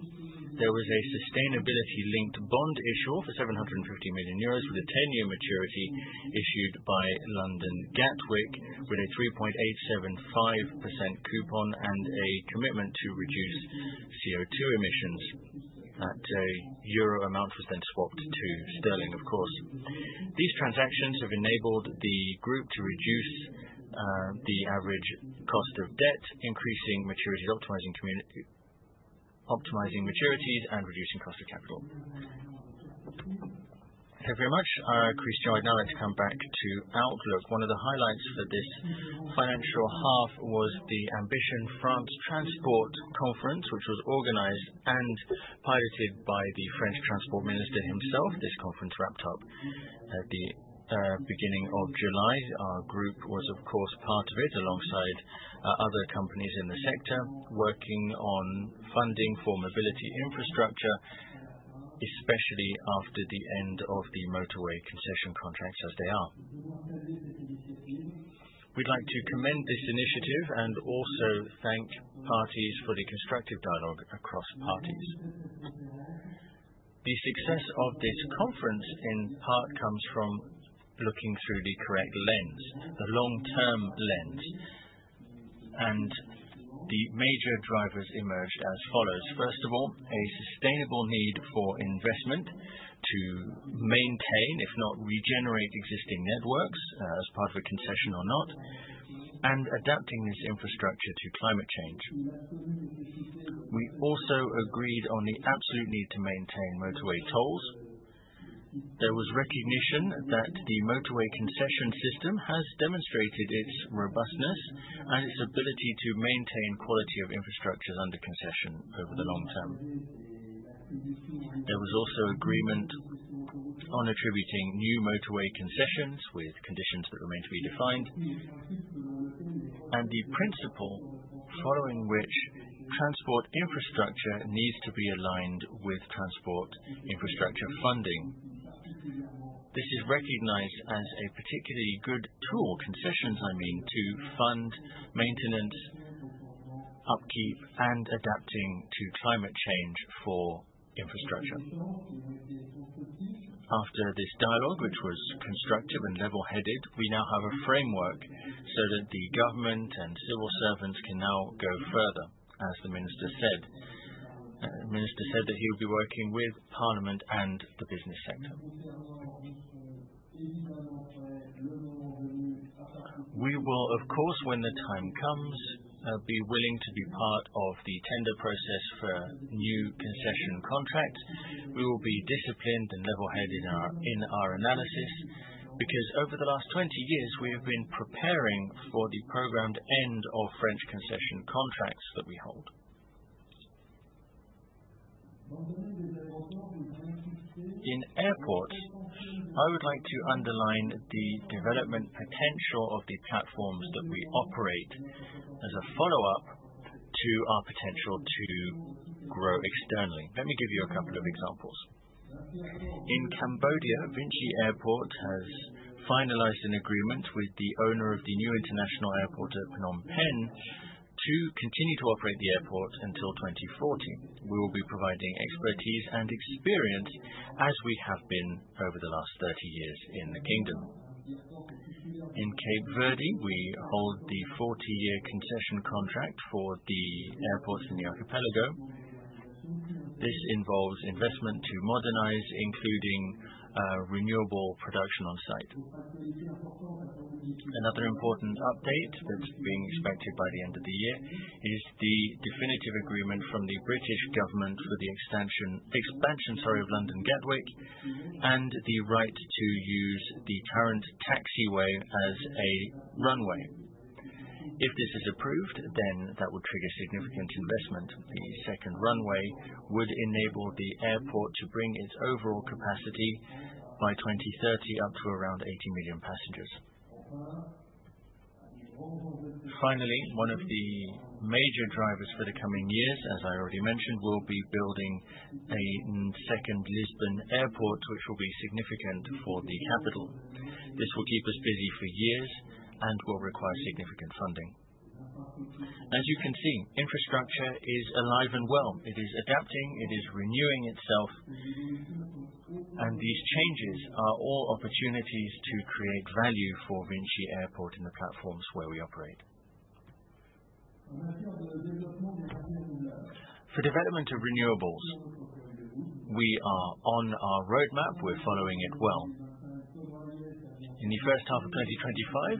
there was a sustainability-linked bond issue for 750 million euros with a 10-year maturity issued by London Gatwick, with a 3.875% coupon and a commitment to reduce CO2 emissions. That euro amount was then swapped to sterling, of course. These transactions have enabled the group to reduce the average cost of debt, increasing maturities, optimizing maturities, and reducing cost of capital. Thank you very much, Christian Labeyrie. I'd now like to come back to outlook. One of the highlights for this financial half was the Ambition France Transport Conference, which was organized and piloted by the French Transport Minister himself. This conference wrapped up at the beginning of July. Our group was, of course, part of it, alongside other companies in the sector, working on funding for mobility infrastructure, especially after the end of the motorway concession contracts as they are. We'd like to commend this initiative and also thank parties for the constructive dialogue across parties. The success of this conference, in part, comes from looking through the correct lens, the long-term lens. The major drivers emerged as follows. First of all, a sustainable need for investment to maintain, if not regenerate, existing networks as part of a concession or not, and adapting this infrastructure to climate change. We also agreed on the absolute need to maintain motorway tolls. There was recognition that the motorway concession system has demonstrated its robustness and its ability to maintain quality of infrastructures under concession over the long term. There was also agreement on attributing new motorway concessions with conditions that remain to be defined, and the principle following which transport infrastructure needs to be aligned with transport infrastructure funding. This is recognized as a particularly good tool, concessions, I mean, to fund maintenance, upkeep, and adapting to climate change for infrastructure. After this dialogue, which was constructive and level-headed, we now have a framework so that the government and civil servants can now go further, as the minister said. The minister said that he will be working with Parliament and the business sector. We will, of course, when the time comes, be willing to be part of the tender process for new concession contracts. We will be disciplined and level-headed in our analysis because, over the last 20 years, we have been preparing for the programmed end of French concession contracts that we hold. In airports, I would like to underline the development potential of the platforms that we operate as a follow-up to our potential to grow externally. Let me give you a couple of examples. In Cambodia, VINCI Airports has finalized an agreement with the owner of the new international airport at Phnom Penh to continue to operate the airport until 2040. We will be providing expertise and experience as we have been over the last 30 years in the kingdom. In Cape Verde, we hold the 40-year concession contract for the airports in the archipelago. This involves investment to modernize, including renewable production on site. Another important update that's being expected by the end of the year is the definitive agreement from the British government for the expansion of London Gatwick and the right to use the current taxiway as a runway. If this is approved, that would trigger significant investment. The second runway would enable the airport to bring its overall capacity by 2030 up to around 80 million passengers. Finally, one of the major drivers for the coming years, as I already mentioned, will be building a second Lisbon Airport, which will be significant for the capital. This will keep us busy for years and will require significant funding. As you can see, infrastructure is alive and well. It is adapting. It is renewing itself. These changes are all opportunities to create value for VINCI Airports and the platforms where we operate. For development of renewables, we are on our roadmap. We're following it well. In the first half of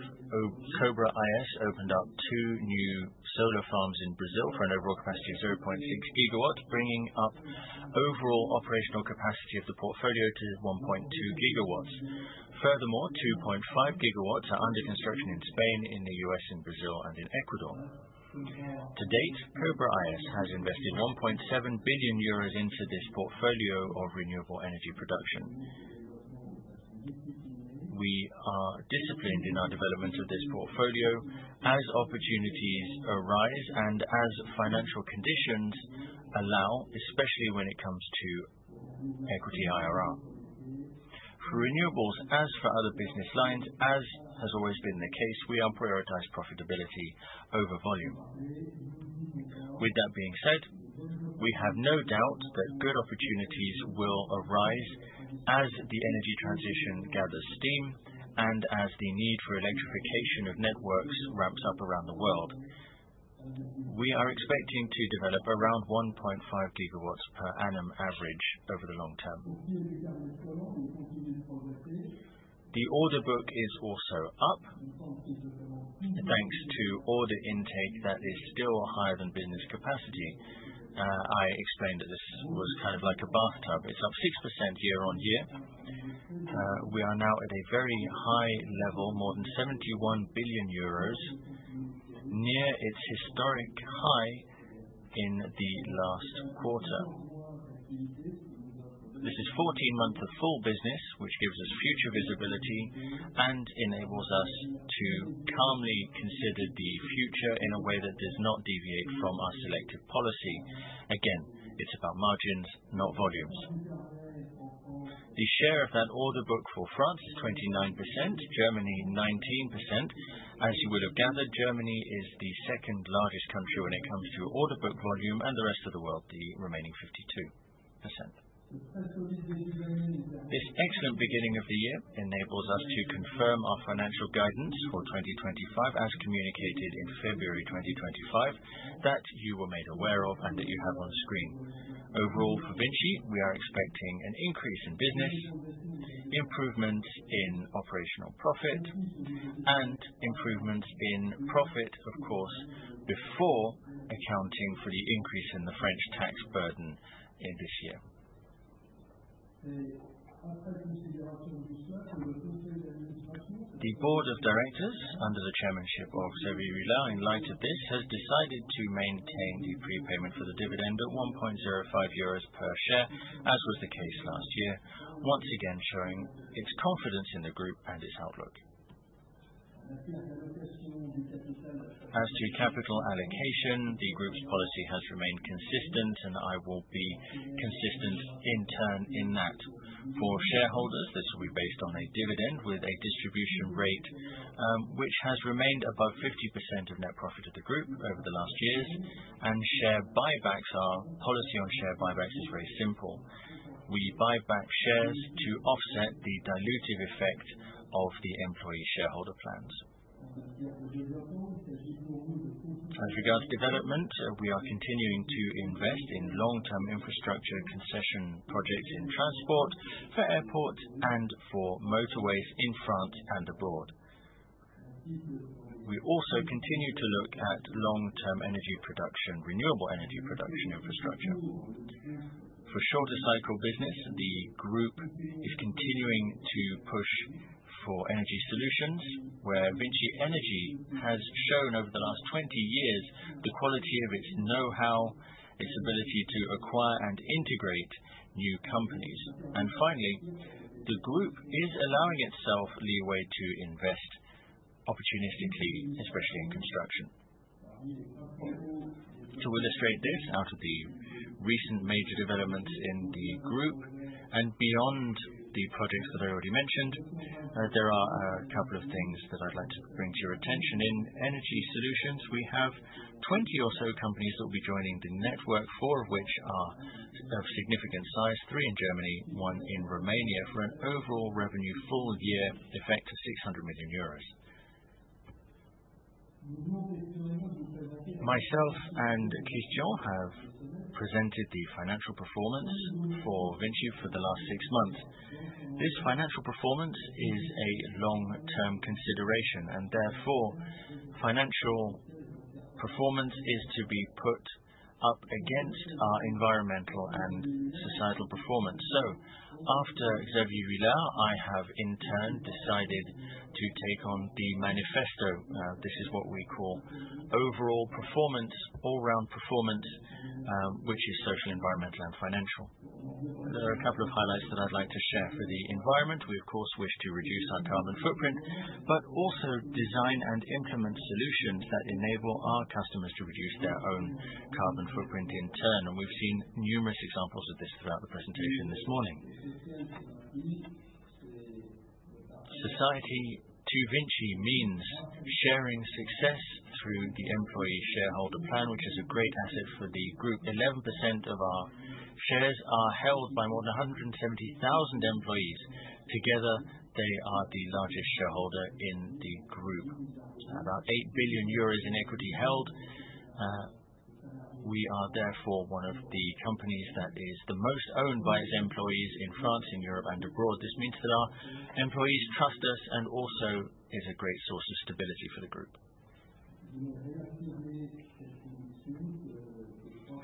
2025, Cobra IS opened up two new solar farms in Brazil for an overall capacity of 0.6 gigawatts, bringing up overall operational capacity of the portfolio to 1.2 GW. Furthermore, 2.5 GW are under construction in Spain, in the U.S., in Brazil, and in Ecuador. To date, Cobra IS has invested 1.7 billion euros into this portfolio of renewable energy production. We are disciplined in our development of this portfolio as opportunities arise and as financial conditions allow, especially when it comes to equity IRR. For renewables, as for other business lines, as has always been the case, we have prioritized profitability over volume. With that being said, we have no doubt that good opportunities will arise as the energy transition gathers steam and as the need for electrification of networks ramps up around the world. We are expecting to develop around 1.5 GW p.a average over the long term. The order book is also up, thanks to order intake that is still higher than business capacity. I explained that this was kind of like a bathtub. It's up 6% year-on-year. We are now at a very high level, more than 71 billion euros, near its historic high in the last quarter. This is 14 months of full business, which gives us future visibility and enables us to calmly consider the future in a way that does not deviate from our selective policy. Again, it's about margins, not volumes. The share of that order book for France is 29%, Germany 19%. As you would have gathered, Germany is the second-largest country when it comes to order book volume, and the rest of the world, the remaining 52%. This excellent beginning of the year enables us to confirm our financial guidance for 2025, as communicated in February 2025, that you were made aware of and that you have on screen. Overall, for VINCI, we are expecting an increase in business, improvement in operational profit, and improvement in profit, of course, before accounting for the increase in the French tax burden this year. The Board of Directors under the chairmanship of Xavier Huillard, in light of this, has decided to maintain the prepayment for the dividend at 1.05 euros per share, as was the case last year, once again showing its confidence in the group and its outlook. As to capital allocation, the group's policy has remained consistent, and I will be consistent in turn in that. For shareholders, this will be based on a dividend with a distribution rate, which has remained above 50% of net profit of the group over the last years. Our policy on share buybacks is very simple. We buy back shares to offset the dilutive effect of the employee shareholder plans. As regards to development, we are continuing to invest in long-term infrastructure concession projects in transport for airports and for motorways in France and abroad. We also continue to look at long-term energy production, renewable energy production infrastructure. For shorter cycle business, the group is continuing to push for energy solutions where VINCI Energies has shown over the last 20 years the quality of its know-how, its ability to acquire and integrate new companies. Finally, the group is allowing itself leeway to invest opportunistically, especially in construction. To illustrate this out of the recent major developments in the group and beyond the projects that I already mentioned, there are a couple of things that I'd like to bring to your attention. In energy solutions, we have 20 or so companies that will be joining the network, four of which are of significant size: three in Germany, one in Romania, for an overall revenue full-year effect of 600 million euros. Myself and Christian have presented the financial performance for VINCI for the last six months. This financial performance is a long-term consideration, and therefore, financial performance is to be put up against our environmental and societal performance. After Xavier Huillard, I have in turn decided to take on the manifesto. This is what we call overall performance, all-round performance, which is social, environmental, and financial. There are a couple of highlights that I'd like to share. For the environment, we, of course, wish to reduce our carbon footprint, but also design and implement solutions that enable our customers to reduce their own carbon footprint in turn. We've seen numerous examples of this throughout the presentation this morning. Society to VINCI means sharing success through the employee shareholder plan, which is a great asset for the group. 11% of our shares are held by more than 170,000 employees. Together, they are the largest shareholder in the group. About 8 billion euros in equity held. We are therefore one of the companies that is the most owned by its employees in France, in Europe, and abroad. This means that our employees trust us and also is a great source of stability for the group.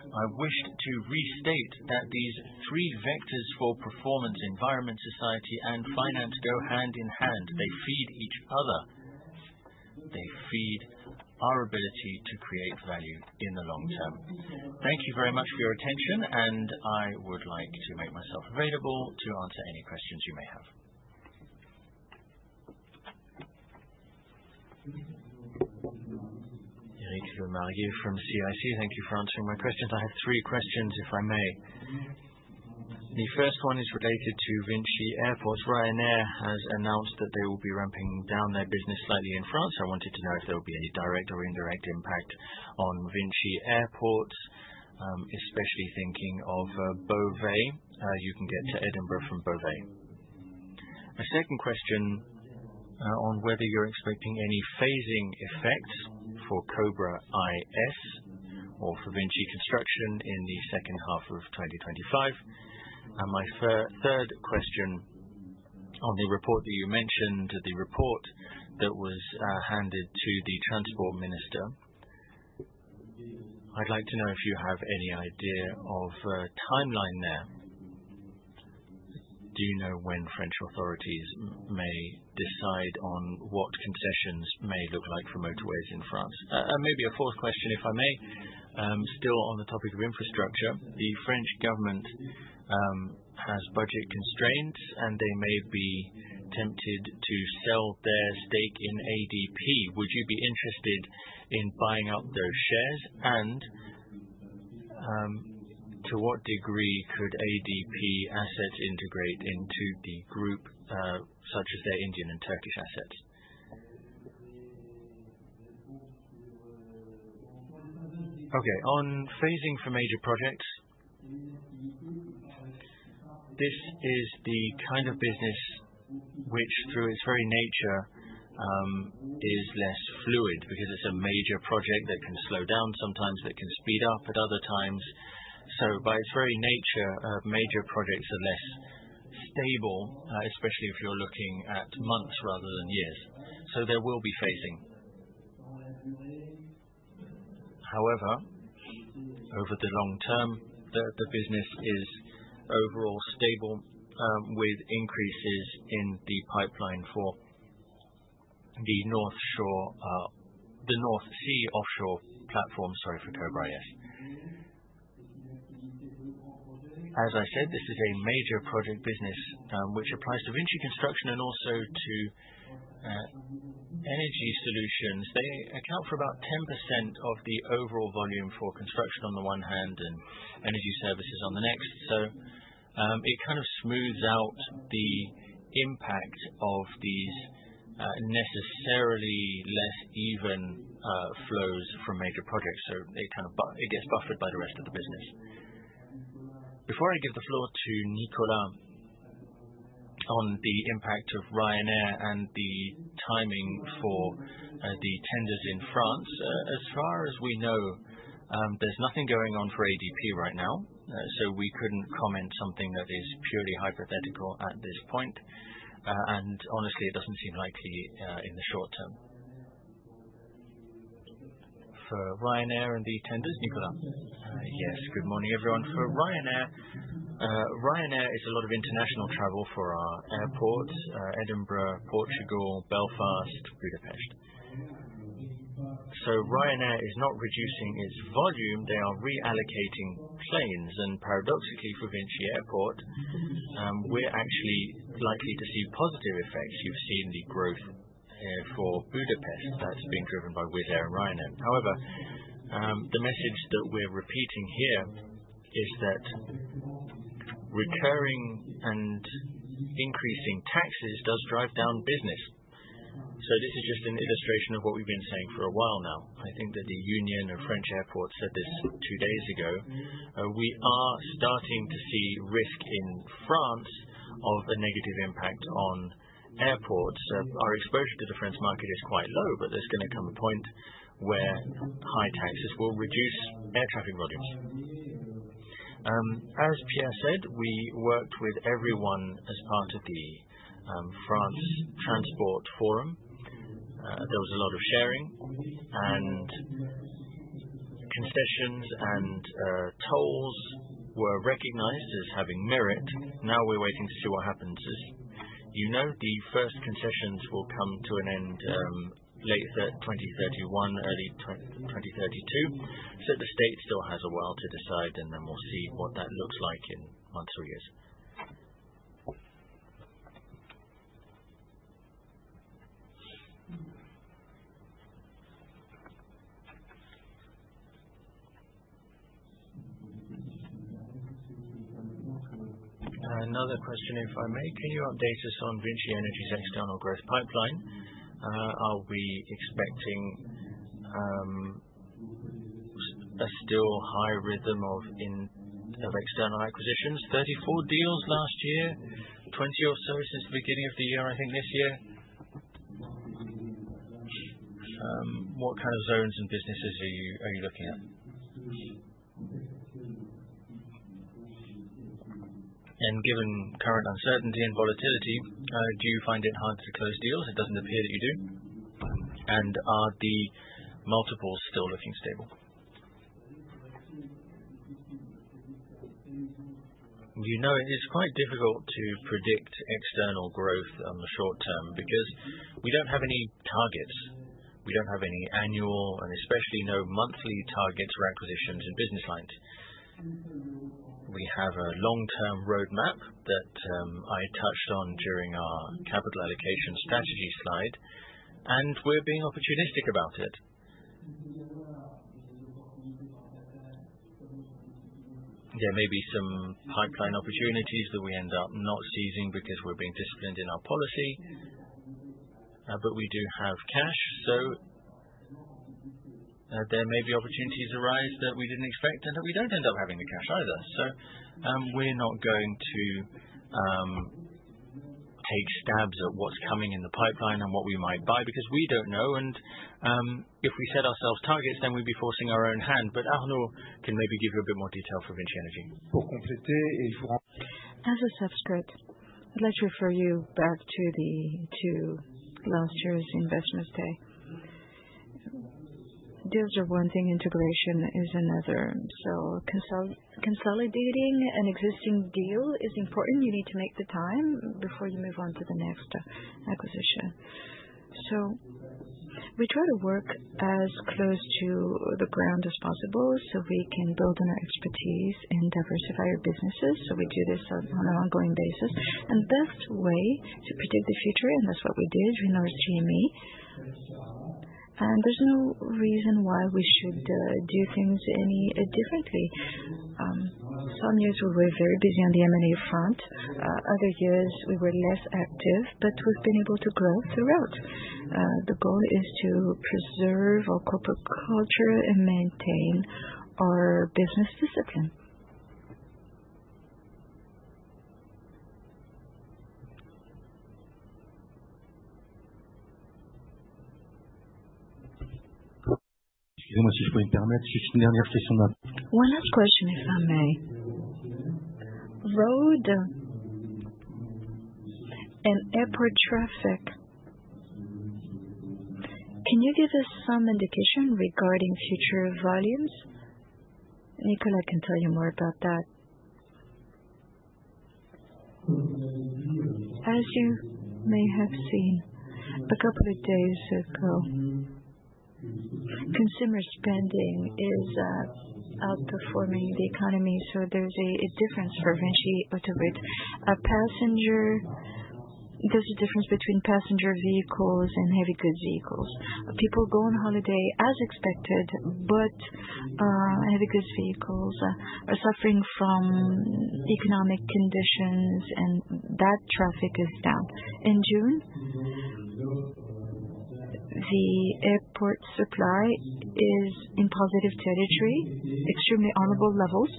I wish to restate that these three vectors for performance, environment, society, and finance go hand in hand. They feed each other. They feed our ability to create value in the long term. Thank you very much for your attention, and I would like to make myself available to answer any questions you may have. Éric Le Marguet from CIC. Thank you for answering my questions. I have three questions, if I may. The first one is related to VINCI Airports. Ryanair has announced that they will be ramping down their business slightly in France. I wanted to know if there will be any direct or indirect impact on VINCI Airports, especially thinking of Bové. You can get to Edinburgh from Bové. My second question is on whether you're expecting any phasing effects for Cobra IS or for VINCI Construction in the second half of 2025. My third question is on the report that you mentioned, the report that was handed to the Transport Minister. I'd like to know if you have any idea of a timeline there. Do you know when French authorities may decide on what concessions may look like for motorways in France? Maybe a fourth question, if I may. Still on the topic of infrastructure, the French government has budget constraints, and they may be tempted to sell their stake in ADP. Would you be interested in buying up those shares? To what degree could ADP assets integrate into the group, such as their Indian and Turkish assets? Okay. On phasing for major projects, this is the kind of business which, through its very nature, is less fluid because it's a major project that can slow down sometimes, that can speed up at other times. By its very nature, major projects are less stable, especially if you're looking at months rather than years. There will be phasing. However, over the long term, the business is overall stable with increases in the pipeline for the North Sea offshore platform, sorry, for Cobra IS. As I said, this is a major project business which applies to VINCI Construction and also to energy solutions. They account for about 10% of the overall volume for construction on the one hand and energy services on the next. It kind of smooths out the impact of these necessarily less even flows from major projects, so it gets buffered by the rest of the business. Before I give the floor to Nicolas on the impact of Ryanair and the timing for the tenders in France, as far as we know, there's nothing going on for ADP right now. We couldn't comment on something that is purely hypothetical at this point, and honestly, it doesn't seem likely in the short term. For Ryanair and the tenders, Nicolas, yes. Good morning, everyone. For Ryanair, Ryanair is a lot of international travel for our airports: Edinburgh, Portugal, Belfast, Budapest. Ryanair is not reducing its volume. They are reallocating planes, and paradoxically, for VINCI Airports, we're actually likely to see positive effects. You've seen the growth for Budapest that's being driven by Wizz Air and Ryanair. However, the message that we're repeating here is that recurring and increasing taxes do drive down business. This is just an illustration of what we've been saying for a while now. I think that the Union of French Airports said this two days ago. We are starting to see risk in France of a negative impact on airports. Our exposure to the French market is quite low, but there's going to come a point where high taxes will reduce air traffic volumes. As Pierre said, we worked with everyone as part of the France Transport Forum. There was a lot of sharing, and concessions and tolls were recognized as having merit. Now we're waiting to see what happens. You know the first concessions will come to an end late 2031, early 2032. The state still has a while to decide, and then we'll see what that looks like in months or years. Another question, if I may. Can you update us on VINCI Energies' external growth pipeline? Are we expecting a still high rhythm of external acquisitions? Thirty-four deals last year, twenty or so since the beginning of the year, I think, this year. What kind of zones and businesses are you looking at? Given current uncertainty and volatility, do you find it hard to close deals? It doesn't appear that you do. Are the multiples still looking stable? It is quite difficult to predict external growth in the short term because we don't have any targets. We don't have any annual and especially no monthly targets or acquisitions in business lines. We have a long-term roadmap that I touched on during our capital allocation strategy slide, and we're being opportunistic about it. There may be some pipeline opportunities that we end up not seizing because we're being disciplined in our policy. We do have cash, so there may be opportunities arise that we didn't expect and that we don't end up having the cash either. We're not going to take stabs at what's coming in the pipeline and what we might buy because we don't know. If we set ourselves targets, then we'd be forcing our own hand. Arnaud can maybe give you a bit more detail for VINCI Energies. Pour compléter, et je vous remercie. As a substrate, I'd like to refer you back to last year's Investment Day. Deals are one thing, integration is another. Consolidating an existing deal is important. You need to make the time before you move on to the next acquisition. We try to work as close to the ground as possible so we can build on our expertise and diversify our businesses. We do this on an ongoing basis. The best way to predict the future, and that's what we did, we announced GME. There's no reason why we should do things any differently. Some years we were very busy on the M&A front. Other years we were less active, but we've been able to grow throughout. The goal is to preserve our corporate culture and maintain our business discipline. Excusez-moi si je peux interrompre, juste une dernière question. One last question, if I may. Road and airport traffic. Can you give us some indication regarding future volumes? Nicolas can tell you more about that. As you may have seen a couple of days ago, consumer spending is outperforming the economy, so there's a difference for VINCI Autoroutes. There's a difference between passenger vehicles and heavy goods vehicles. People go on holiday as expected, but heavy goods vehicles are suffering from economic conditions, and that traffic is down. In June, the airport supply is in positive territory, extremely honorable levels.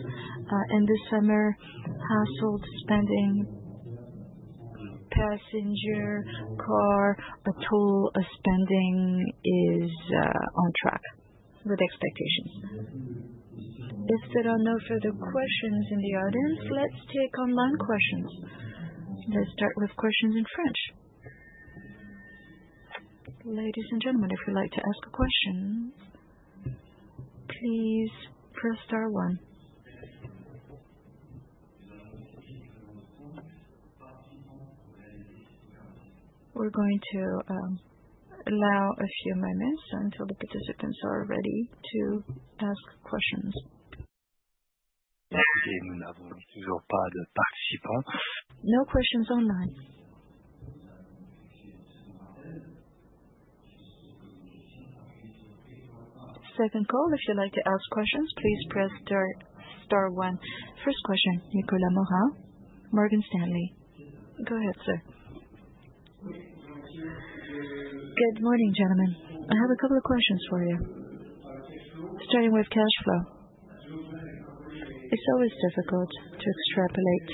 This summer, household spending, passenger car, total spending is on track with expectations. If there are no further questions in the audience, let's take online questions. Let's start with questions in French. Ladies and gentlemen, if you'd like to ask a question, please press star one. We're going to allow a few moments until the participants are ready to ask questions. Merci. Nous n'avons toujours pas de participants. No questions online. Second call. If you'd like to ask questions, please press star one. First question, Nicolas Mora, Morgan Stanley. Go ahead, sir. Good morning, gentlemen. I have a couple of questions for you. Starting with cash flow. It's always difficult to extrapolate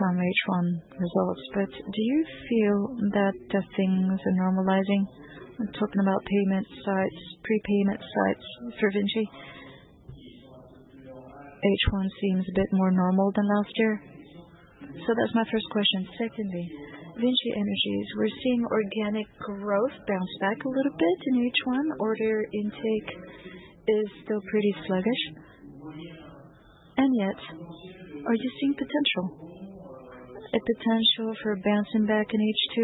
from H1 results, but do you feel that things are normalizing? I'm talking about payment sites, prepayment sites for VINCI. H1 seems a bit more normal than last year. That's my first question. Secondly, VINCI Energies, we're seeing organic growth bounce back a little bit in H1. Order intake is still pretty sluggish. Yet, are you seeing potential? A potential for bouncing back in H2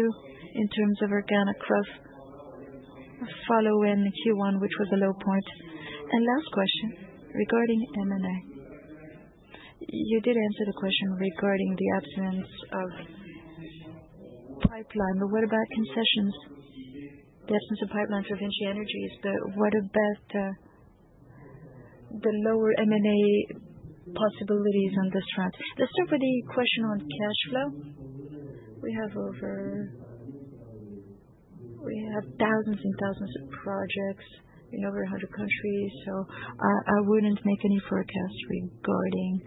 in terms of organic growth. Following Q1, which was a low point. Last question regarding M&A. You did answer the question regarding the absence of pipeline, but what about concessions? The absence of pipeline for VINCI Energies, but what about the lower M&A possibilities on this front? The second question on cash flow. We have thousands and thousands of projects in over 100 countries, so I wouldn't make any forecasts regarding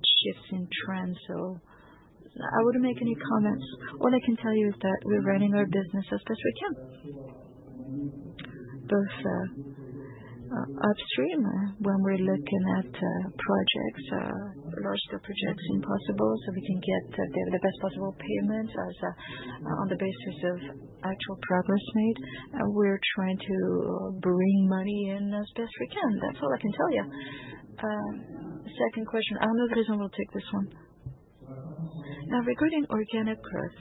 shifts in trends. I wouldn't make any comments. All I can tell you is that we're running our business as best we can. Both upstream, when we're looking at projects, large-scale projects as possible so we can get the best possible payment on the basis of actual progress made. We're trying to bring money in as best we can. That's all I can tell you. Second question, Arnaud Grison will take this one. Now, regarding organic growth.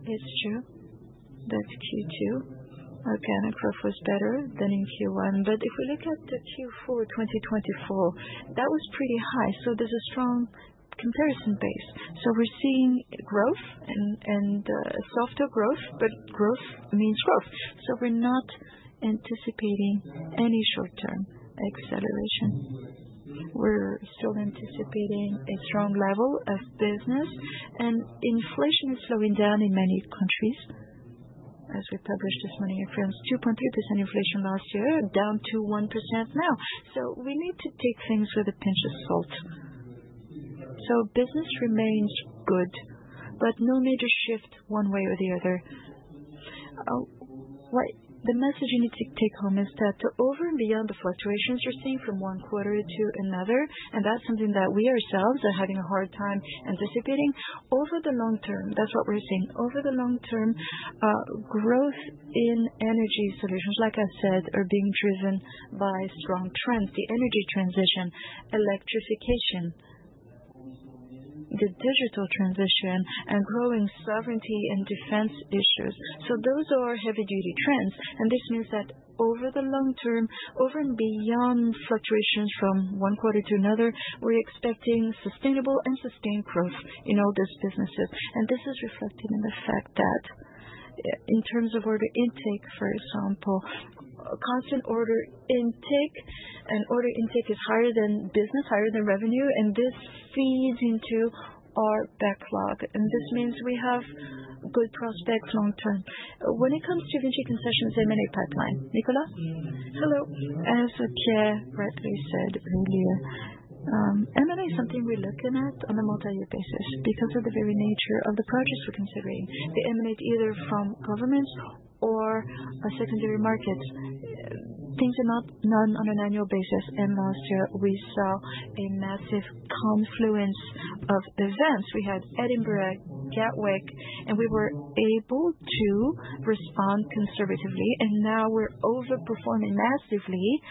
It's true that Q2 organic growth was better than in Q1, but if we look at Q4 2024, that was pretty high. There's a strong comparison base. We're seeing growth and softer growth, but growth means growth. We're not anticipating any short-term acceleration. We're still anticipating a strong level of business, and inflation is slowing down in many countries. As we published this morning in France, 2.3% inflation last year, down to 1% now. We need to take things with a pinch of salt. Business remains good, but no major shift one way or the other. The message you need to take home is that over and beyond the fluctuations you're seeing from one quarter to another, and that's something that we ourselves are having a hard time anticipating, over the long term, that's what we're seeing, over the long term. Growth in energy solutions, like I said, are being driven by strong trends: the energy transition, electrification, the digital transition, and growing sovereignty and defense issues. Those are heavy-duty trends. This means that over the long term, over and beyond fluctuations from one quarter to another, we're expecting sustainable and sustained growth in all these businesses. This is reflected in the fact that in terms of order intake, for example, constant order intake, and order intake is higher than business, higher than revenue, and this feeds into our backlog. This means we have good prospects long term. When it comes to VINCI Concessions M&A pipeline, Nicolas? Hello. As Pierre Anjolras said earlier. M&A is something we're looking at on a multi-year basis because of the very nature of the projects we're considering, the M&A either from governments or secondary markets. Things are not done on an annual basis. Last year, we saw a massive confluence of events. We had Edinburgh, Gatwick, and we were able to respond conservatively. Now we're overperforming massively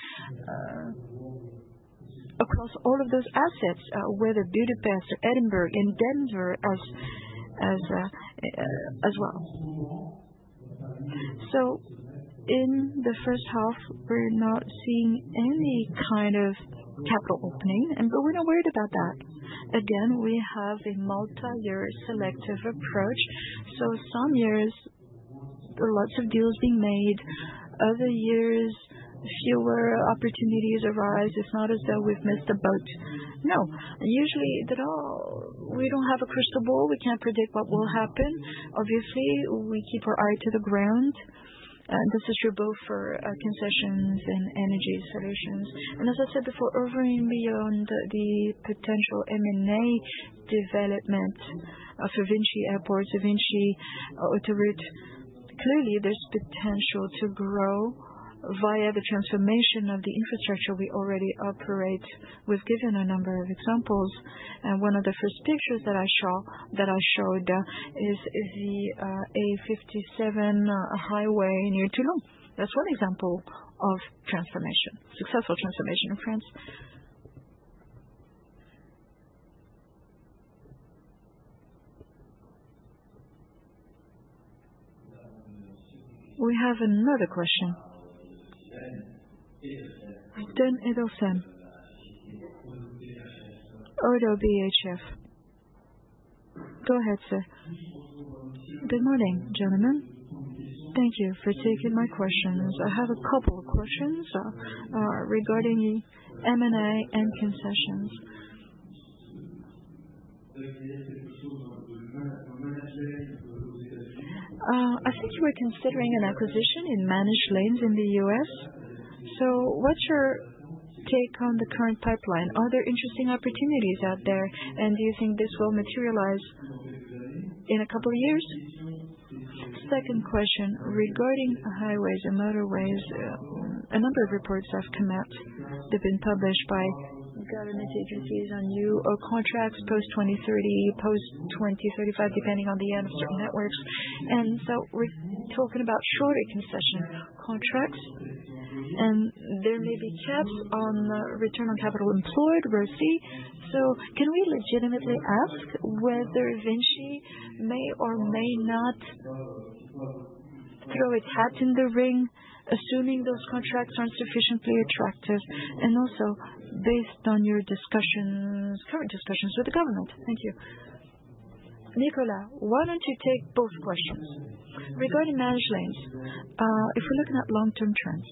across all of those assets, whether Budapest or Edinburgh and Denver as well. In the first half, we're not seeing any kind of capital opening, but we're not worried about that. We have a multi-year selective approach. Some years, lots of deals being made. Other years, fewer opportunities arise. It's not as though we've missed the boat. Usually, we don't have a crystal ball. We can't predict what will happen. Obviously, we keep our eye to the ground. This is true both for concessions and energy solutions. As I said before, over and beyond the potential M&A development. For VINCI Airports, VINCI Autoroutes, clearly, there's potential to grow via the transformation of the infrastructure we already operate. We've given a number of examples. One of the first pictures that I showed is the A57 highway near Toulon. That's one example of transformation, successful transformation in France. We have another question. Dan Edelson, Oddo BHF. Go ahead, sir. Good morning, gentlemen. Thank you for taking my questions. I have a couple of questions regarding M&A and concessions. I think you were considering an acquisition in managed lanes in the U.S. What's your take on the current pipeline? Are there interesting opportunities out there? Do you think this will materialize in a couple of years? Second question regarding highways and motorways. A number of reports have come out. They've been published by government agencies on new contracts post-2030, post-2035, depending on the end of certain networks. We're talking about shorter concession contracts. There may be caps on return on capital employed, ROCE. Can we legitimately ask whether VINCI may or may not throw its hat in the ring, assuming those contracts aren't sufficiently attractive? Also, based on your current discussions with the government. Thank you. Nicolas, why don't you take both questions? Regarding managed lanes, if we're looking at long-term trends,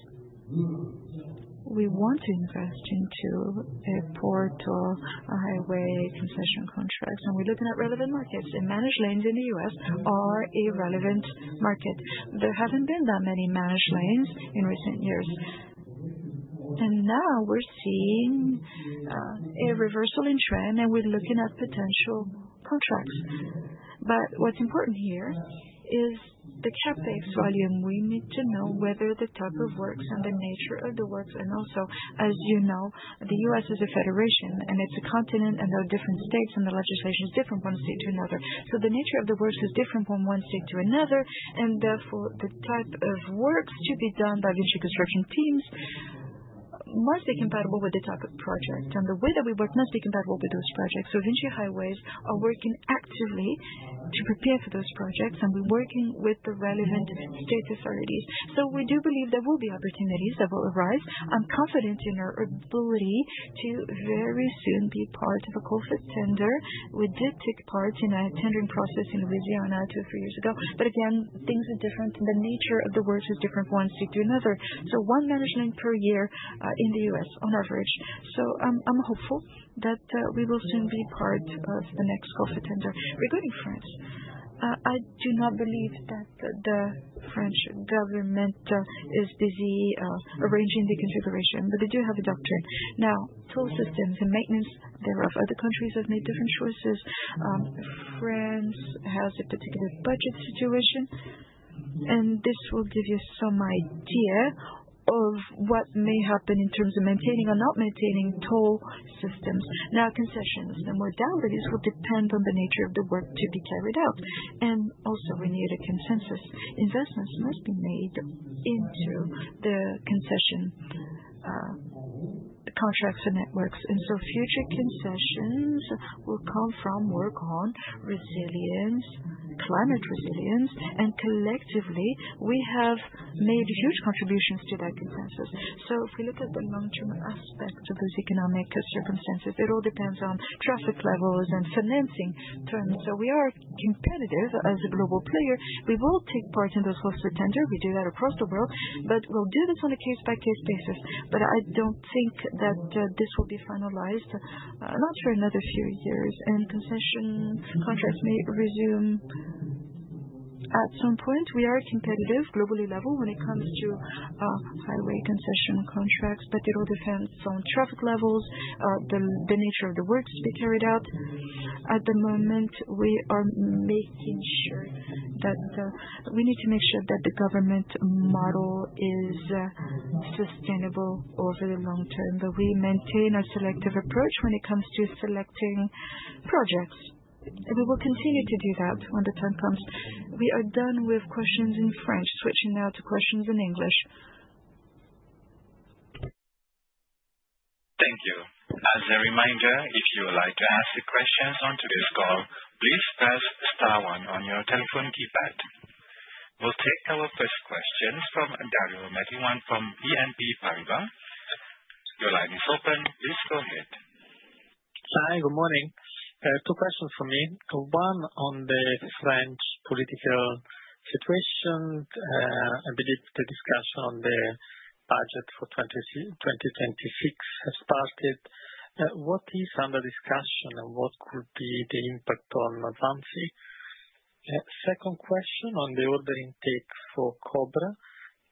we want to invest into a port or a highway concession contract. We're looking at relevant markets. Managed lanes in the U.S. are a relevant market. There haven't been that many managed lanes in recent years. Now we're seeing a reversal in trend, and we're looking at potential contracts. What's important here is the CapEx volume. We need to know the type of works and the nature of the works. As you know, the U.S. is a federation, and it's a continent, and there are different states, and the legislation is different from one state to another. The nature of the works is different from one state to another. Therefore, the type of works to be done by VINCI Construction teams must be compatible with the type of project, and the way that we work must be compatible with those projects. VINCI Highways are working actively to prepare for those projects, and we're working with the relevant state authorities. We do believe there will be opportunities that will arise. I'm confident in our ability to very soon be part of a COFID tender. We did take part in a tendering process in Louisiana two or three years ago. Things are different. The nature of the works is different from one state to another. One management per year in the U.S., on average. I'm hopeful that we will soon be part of the next COFID tender. Regarding France, I do not believe that the French government is busy arranging the configuration, but they do have a doctrine. Now, toll systems and maintenance, there are other countries that have made different choices. France has a particular budget situation, and this will give you some idea of what may happen in terms of maintaining or not maintaining toll systems. Concessions and modalities will depend on the nature of the work to be carried out. We need a consensus. Investments must be made into the concession contracts and networks. Future concessions will come from work on resilience, climate resilience, and collectively, we have made huge contributions to that consensus. If we look at the long-term aspect of those economic circumstances, it all depends on traffic levels and financing terms. We are competitive as a global player. We will take part in those COFID tenders. We do that across the world, but we'll do this on a case-by-case basis. I don't think that this will be finalized, not sure, in another few years. Concession contracts may resume at some point. We are competitive globally when it comes to. Highway concession contracts, it all depends on traffic levels and the nature of the works to be carried out. At the moment, we are making sure that the government model is sustainable over the long term. We maintain a selective approach when it comes to selecting projects, and we will continue to do that when the time comes. We are done with questions in French. Switching now to questions in English. Thank you. As a reminder, if you would like to ask a question on today's call, please press star one on your telephone keypad. We'll take our first question from Dario Meglione from BNP Paribas. Your line is open. Please go ahead. Hi. Good morning. Two questions for me. One on the French political situation. I believe the discussion on the budget for 2026 has started. What is under discussion, and what could be the impact on VINCI? Second question on the order intake for Cobra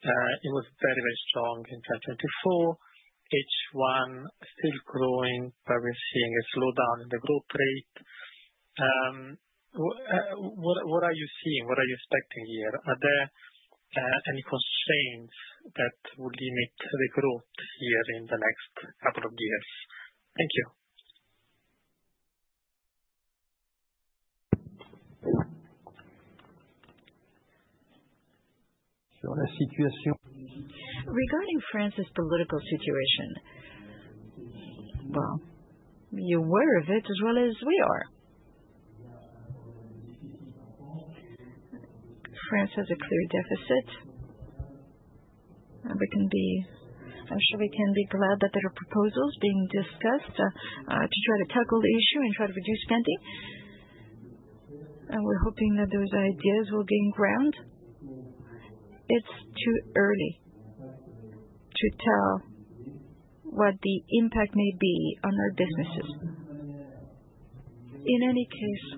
IS. It was very, very strong in 2024. H1 still growing, but we're seeing a slowdown in the growth rate. What are you seeing? What are you expecting here? Are there any constraints that will limit the growth here in the next couple of years? Thank you. Regarding France's political situation, you're aware of it as well as we are. France has a clear deficit. I'm sure we can be glad that there are proposals being discussed to try to tackle the issue and try to reduce spending. We're hoping that those ideas will gain ground. It's too early to tell what the impact may be on our businesses. In any case,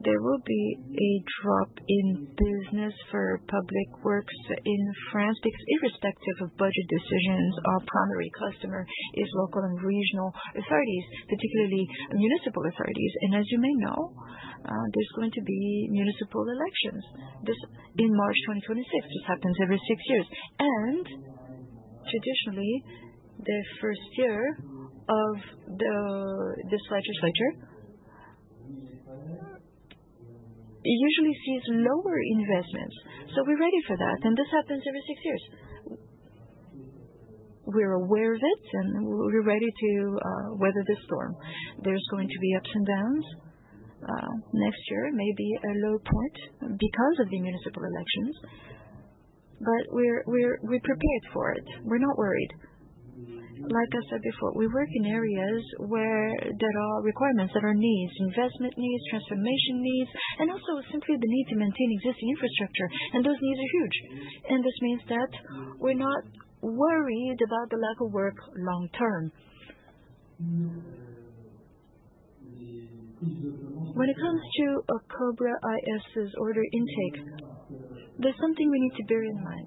there will be a drop in business for public works in France because irrespective of budget decisions, our primary customer is local and regional authorities, particularly municipal authorities. As you may know, there's going to be municipal elections in March 2026. This happens every six years. Traditionally, the first year of this legislature usually sees lower investments. We're ready for that, and this happens every six years. We're aware of it, and we're ready to weather the storm. There's going to be ups and downs. Next year may be a low point because of the municipal elections, but we're prepared for it. We're not worried. Like I said before, we work in areas that are requirements, that are needs, investment needs, transformation needs, and also simply the need to maintain existing infrastructure. Those needs are huge, and this means that we're not worried about the lack of work long term. When it comes to Cobra IS's order intake, there's something we need to bear in mind.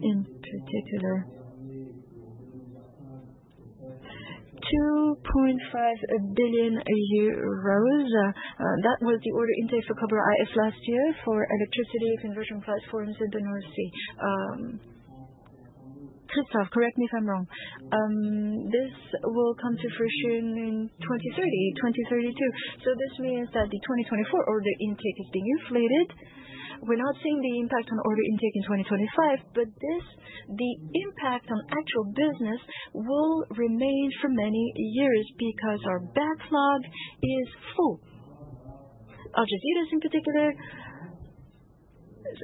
In particular, EUR 2.5 billion was the order intake for Cobra IS last year for electricity conversion platforms in the North Sea. Christophe, correct me if I'm wrong. This will come to fruition in 2030, 2032. This means that the 2024 order intake is being inflated. We're not seeing the impact on order intake in 2025, but the impact on actual business will remain for many years because our backlog is full. Aljazeera is in particular.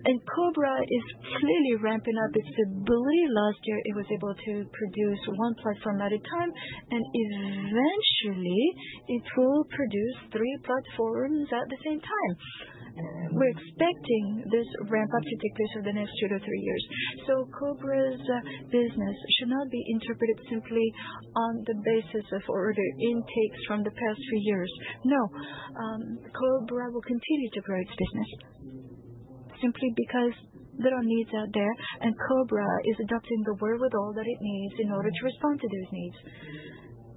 Cobbra is clearly ramping up its ability. Last year, it was able to produce one platform at a time, and eventually, it will produce three platforms at the same time. We're expecting this ramp-up to take place over the next two to three years. Cobra's business should not be interpreted simply on the basis of order intakes from the past few years. No. Cobra will continue to grow its business simply because there are needs out there, and Cobra is adopting the wherewithal that it needs in order to respond to those needs,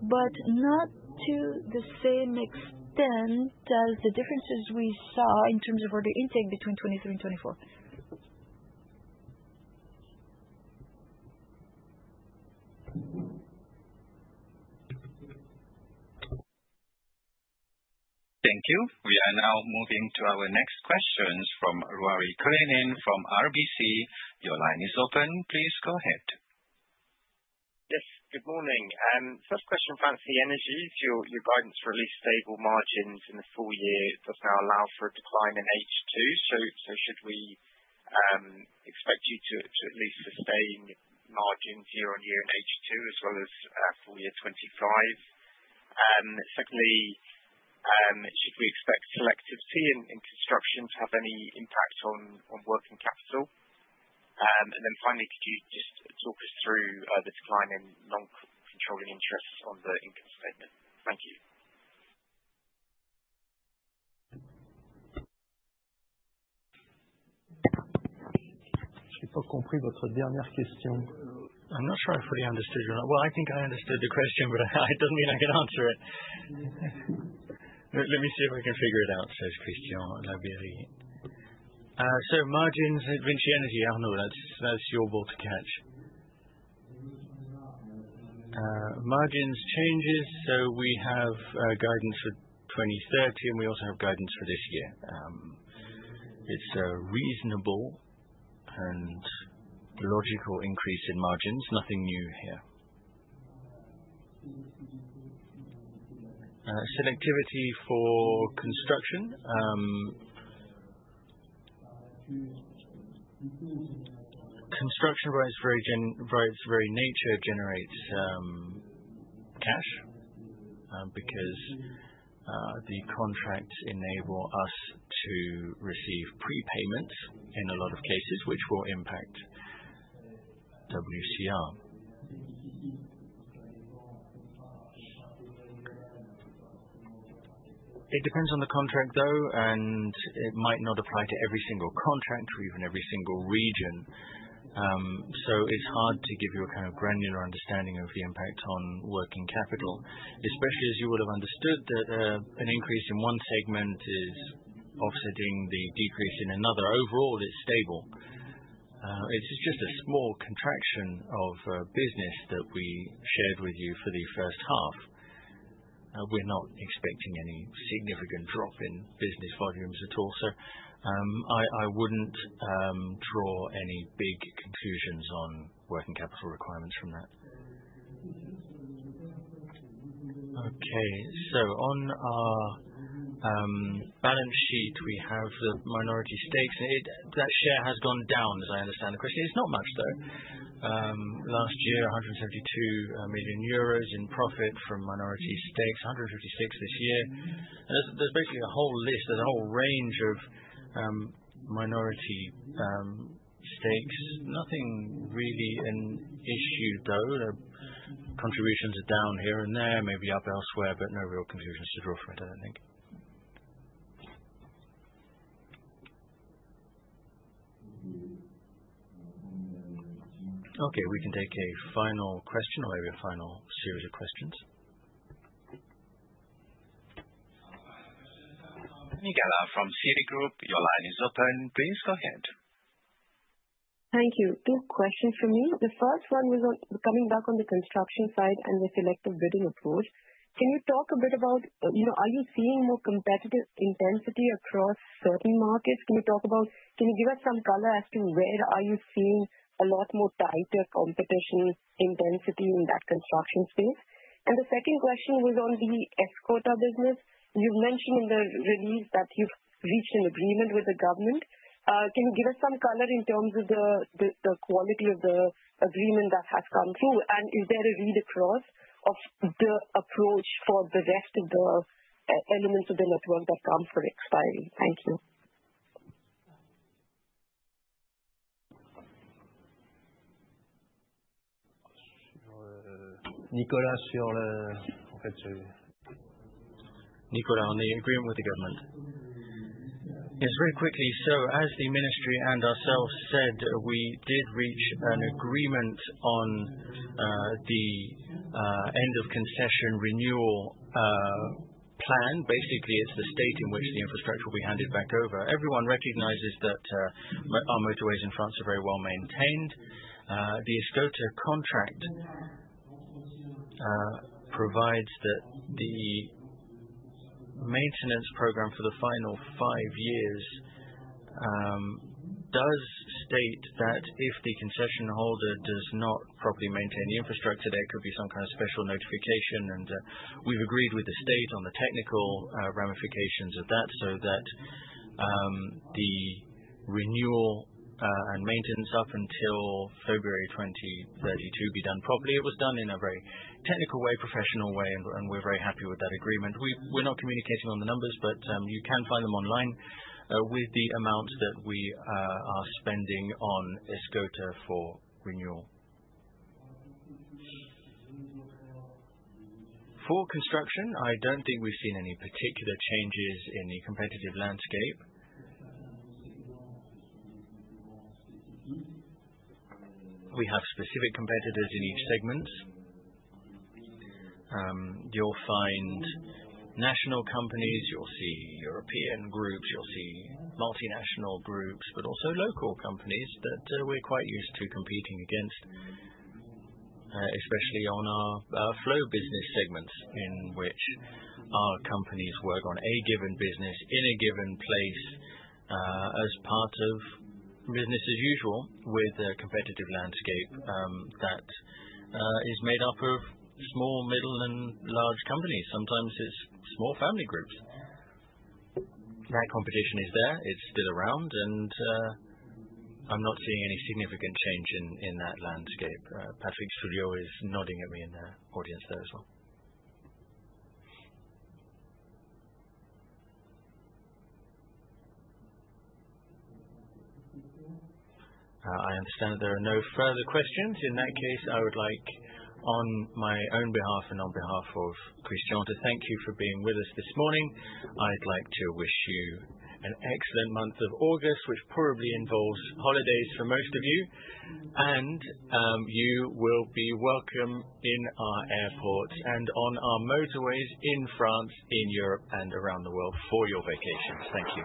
but not to the same extent as the differences we saw in terms of order intake between 2023 and 2024. Thank you. We are now moving to our next questions from Ruairi Cullinane from RBC. Your line is open. Please go ahead. Yes. Good morning. First question, VINCI Energies. Your guidance released stable margins in the full year. Does that now allow for a decline in H2? Should we expect you to at least sustain margins year on year in H2 as well as full year 2025? Secondly, should we expect selectivity in construction to have any impact on working capital? Finally, could you just talk us through the decline in non-controlling interests on the income statement? Thank you. I did not understand your last question. I'm not sure I fully understood your question, but it doesn't mean I can answer it. Let me see if I can figure it out, says Christian Labeyrie. Margins at VINCI Energies, Arnaud, that's your ball to catch. Margins changes. We have guidance for 2030, and we also have guidance for this year. It's a reasonable and logical increase in margins. Nothing new here. Selectivity for construction. Construction by its very nature generates cash because the contracts enable us to receive prepayments in a lot of cases, which will impact WCR. It depends on the contract, though, and it might not apply to every single contract or even every single region. It's hard to give you a kind of granular understanding of the impact on working capital, especially as you would have understood that an increase in one segment is offsetting the decrease in another. Overall, it's stable. It's just a small contraction of business that we shared with you for the first half. We're not expecting any significant drop in business volumes at all. I wouldn't draw any big conclusions on working capital requirements from that. On our balance sheet, we have the minority stakes. That share has gone down, as I understand the question. It's not much, though. Last year, 172 million euros in profit from minority stakes, 156 million this year. There's basically a whole list. There's a whole range of minority stakes. Nothing really an issue, though. Contributions are down here and there, maybe up elsewhere, but no real conclusions to draw from it, I don't think. We can take a final question or maybe a final series of questions. Miguel from Citigroup, your line is open. Please go ahead. Thank you. Two questions for me. The first one was coming back on the construction side and the selective bidding approach. Can you talk a bit about, are you seeing more competitive intensity across certain markets? Can you talk about, can you give us some color as to where are you seeing a lot more tighter competition intensity in that construction space? The second question was on the ESCOTA business. You've mentioned in the release that you've reached an agreement with the government. Can you give us some color in terms of the quality of the agreement that has come through? Is there a read across of the approach for the rest of the elements of the network that come for expiry? Thank you. Nicolas, on the agreement with the government. Yes, very quickly. As the ministry and ourselves said, we did reach an agreement on the end of concession renewal plan. Basically, it's the state in which the infrastructure will be handed back over. Everyone recognizes that our motorways in France are very well maintained. The ESCOTA contract provides that the maintenance program for the final five years does state that if the concession holder does not properly maintain the infrastructure, there could be some kind of special notification. We've agreed with the state on the technical ramifications of that so that the renewal and maintenance up until February 2032 be done properly. It was done in a very technical way, professional way, and we're very happy with that agreement. We're not communicating on the numbers, but you can find them online with the amounts that we are spending on ESCOTA for renewal. For construction, I don't think we've seen any particular changes in the competitive landscape. We have specific competitors in each segment. You'll find national companies, you'll see European groups, you'll see multinational groups, but also local companies that we're quite used to competing against, especially on our flow business segments in which our companies work on a given business in a given place as part of business as usual with a competitive landscape that is made up of small, middle, and large companies. Sometimes it's small family groups. That competition is there. It's still around. I'm not seeing any significant change in that landscape. Patrick Trudeau is nodding at me in the audience there as well. I understand that there are no further questions. In that case, I would like, on my own behalf and on behalf of Christian, to thank you for being with us this morning. I'd like to wish you an excellent month of August, which probably involves holidays for most of you. You will be welcome in our airports and on our motorways in France, in Europe, and around the world for your vacations. Thank you.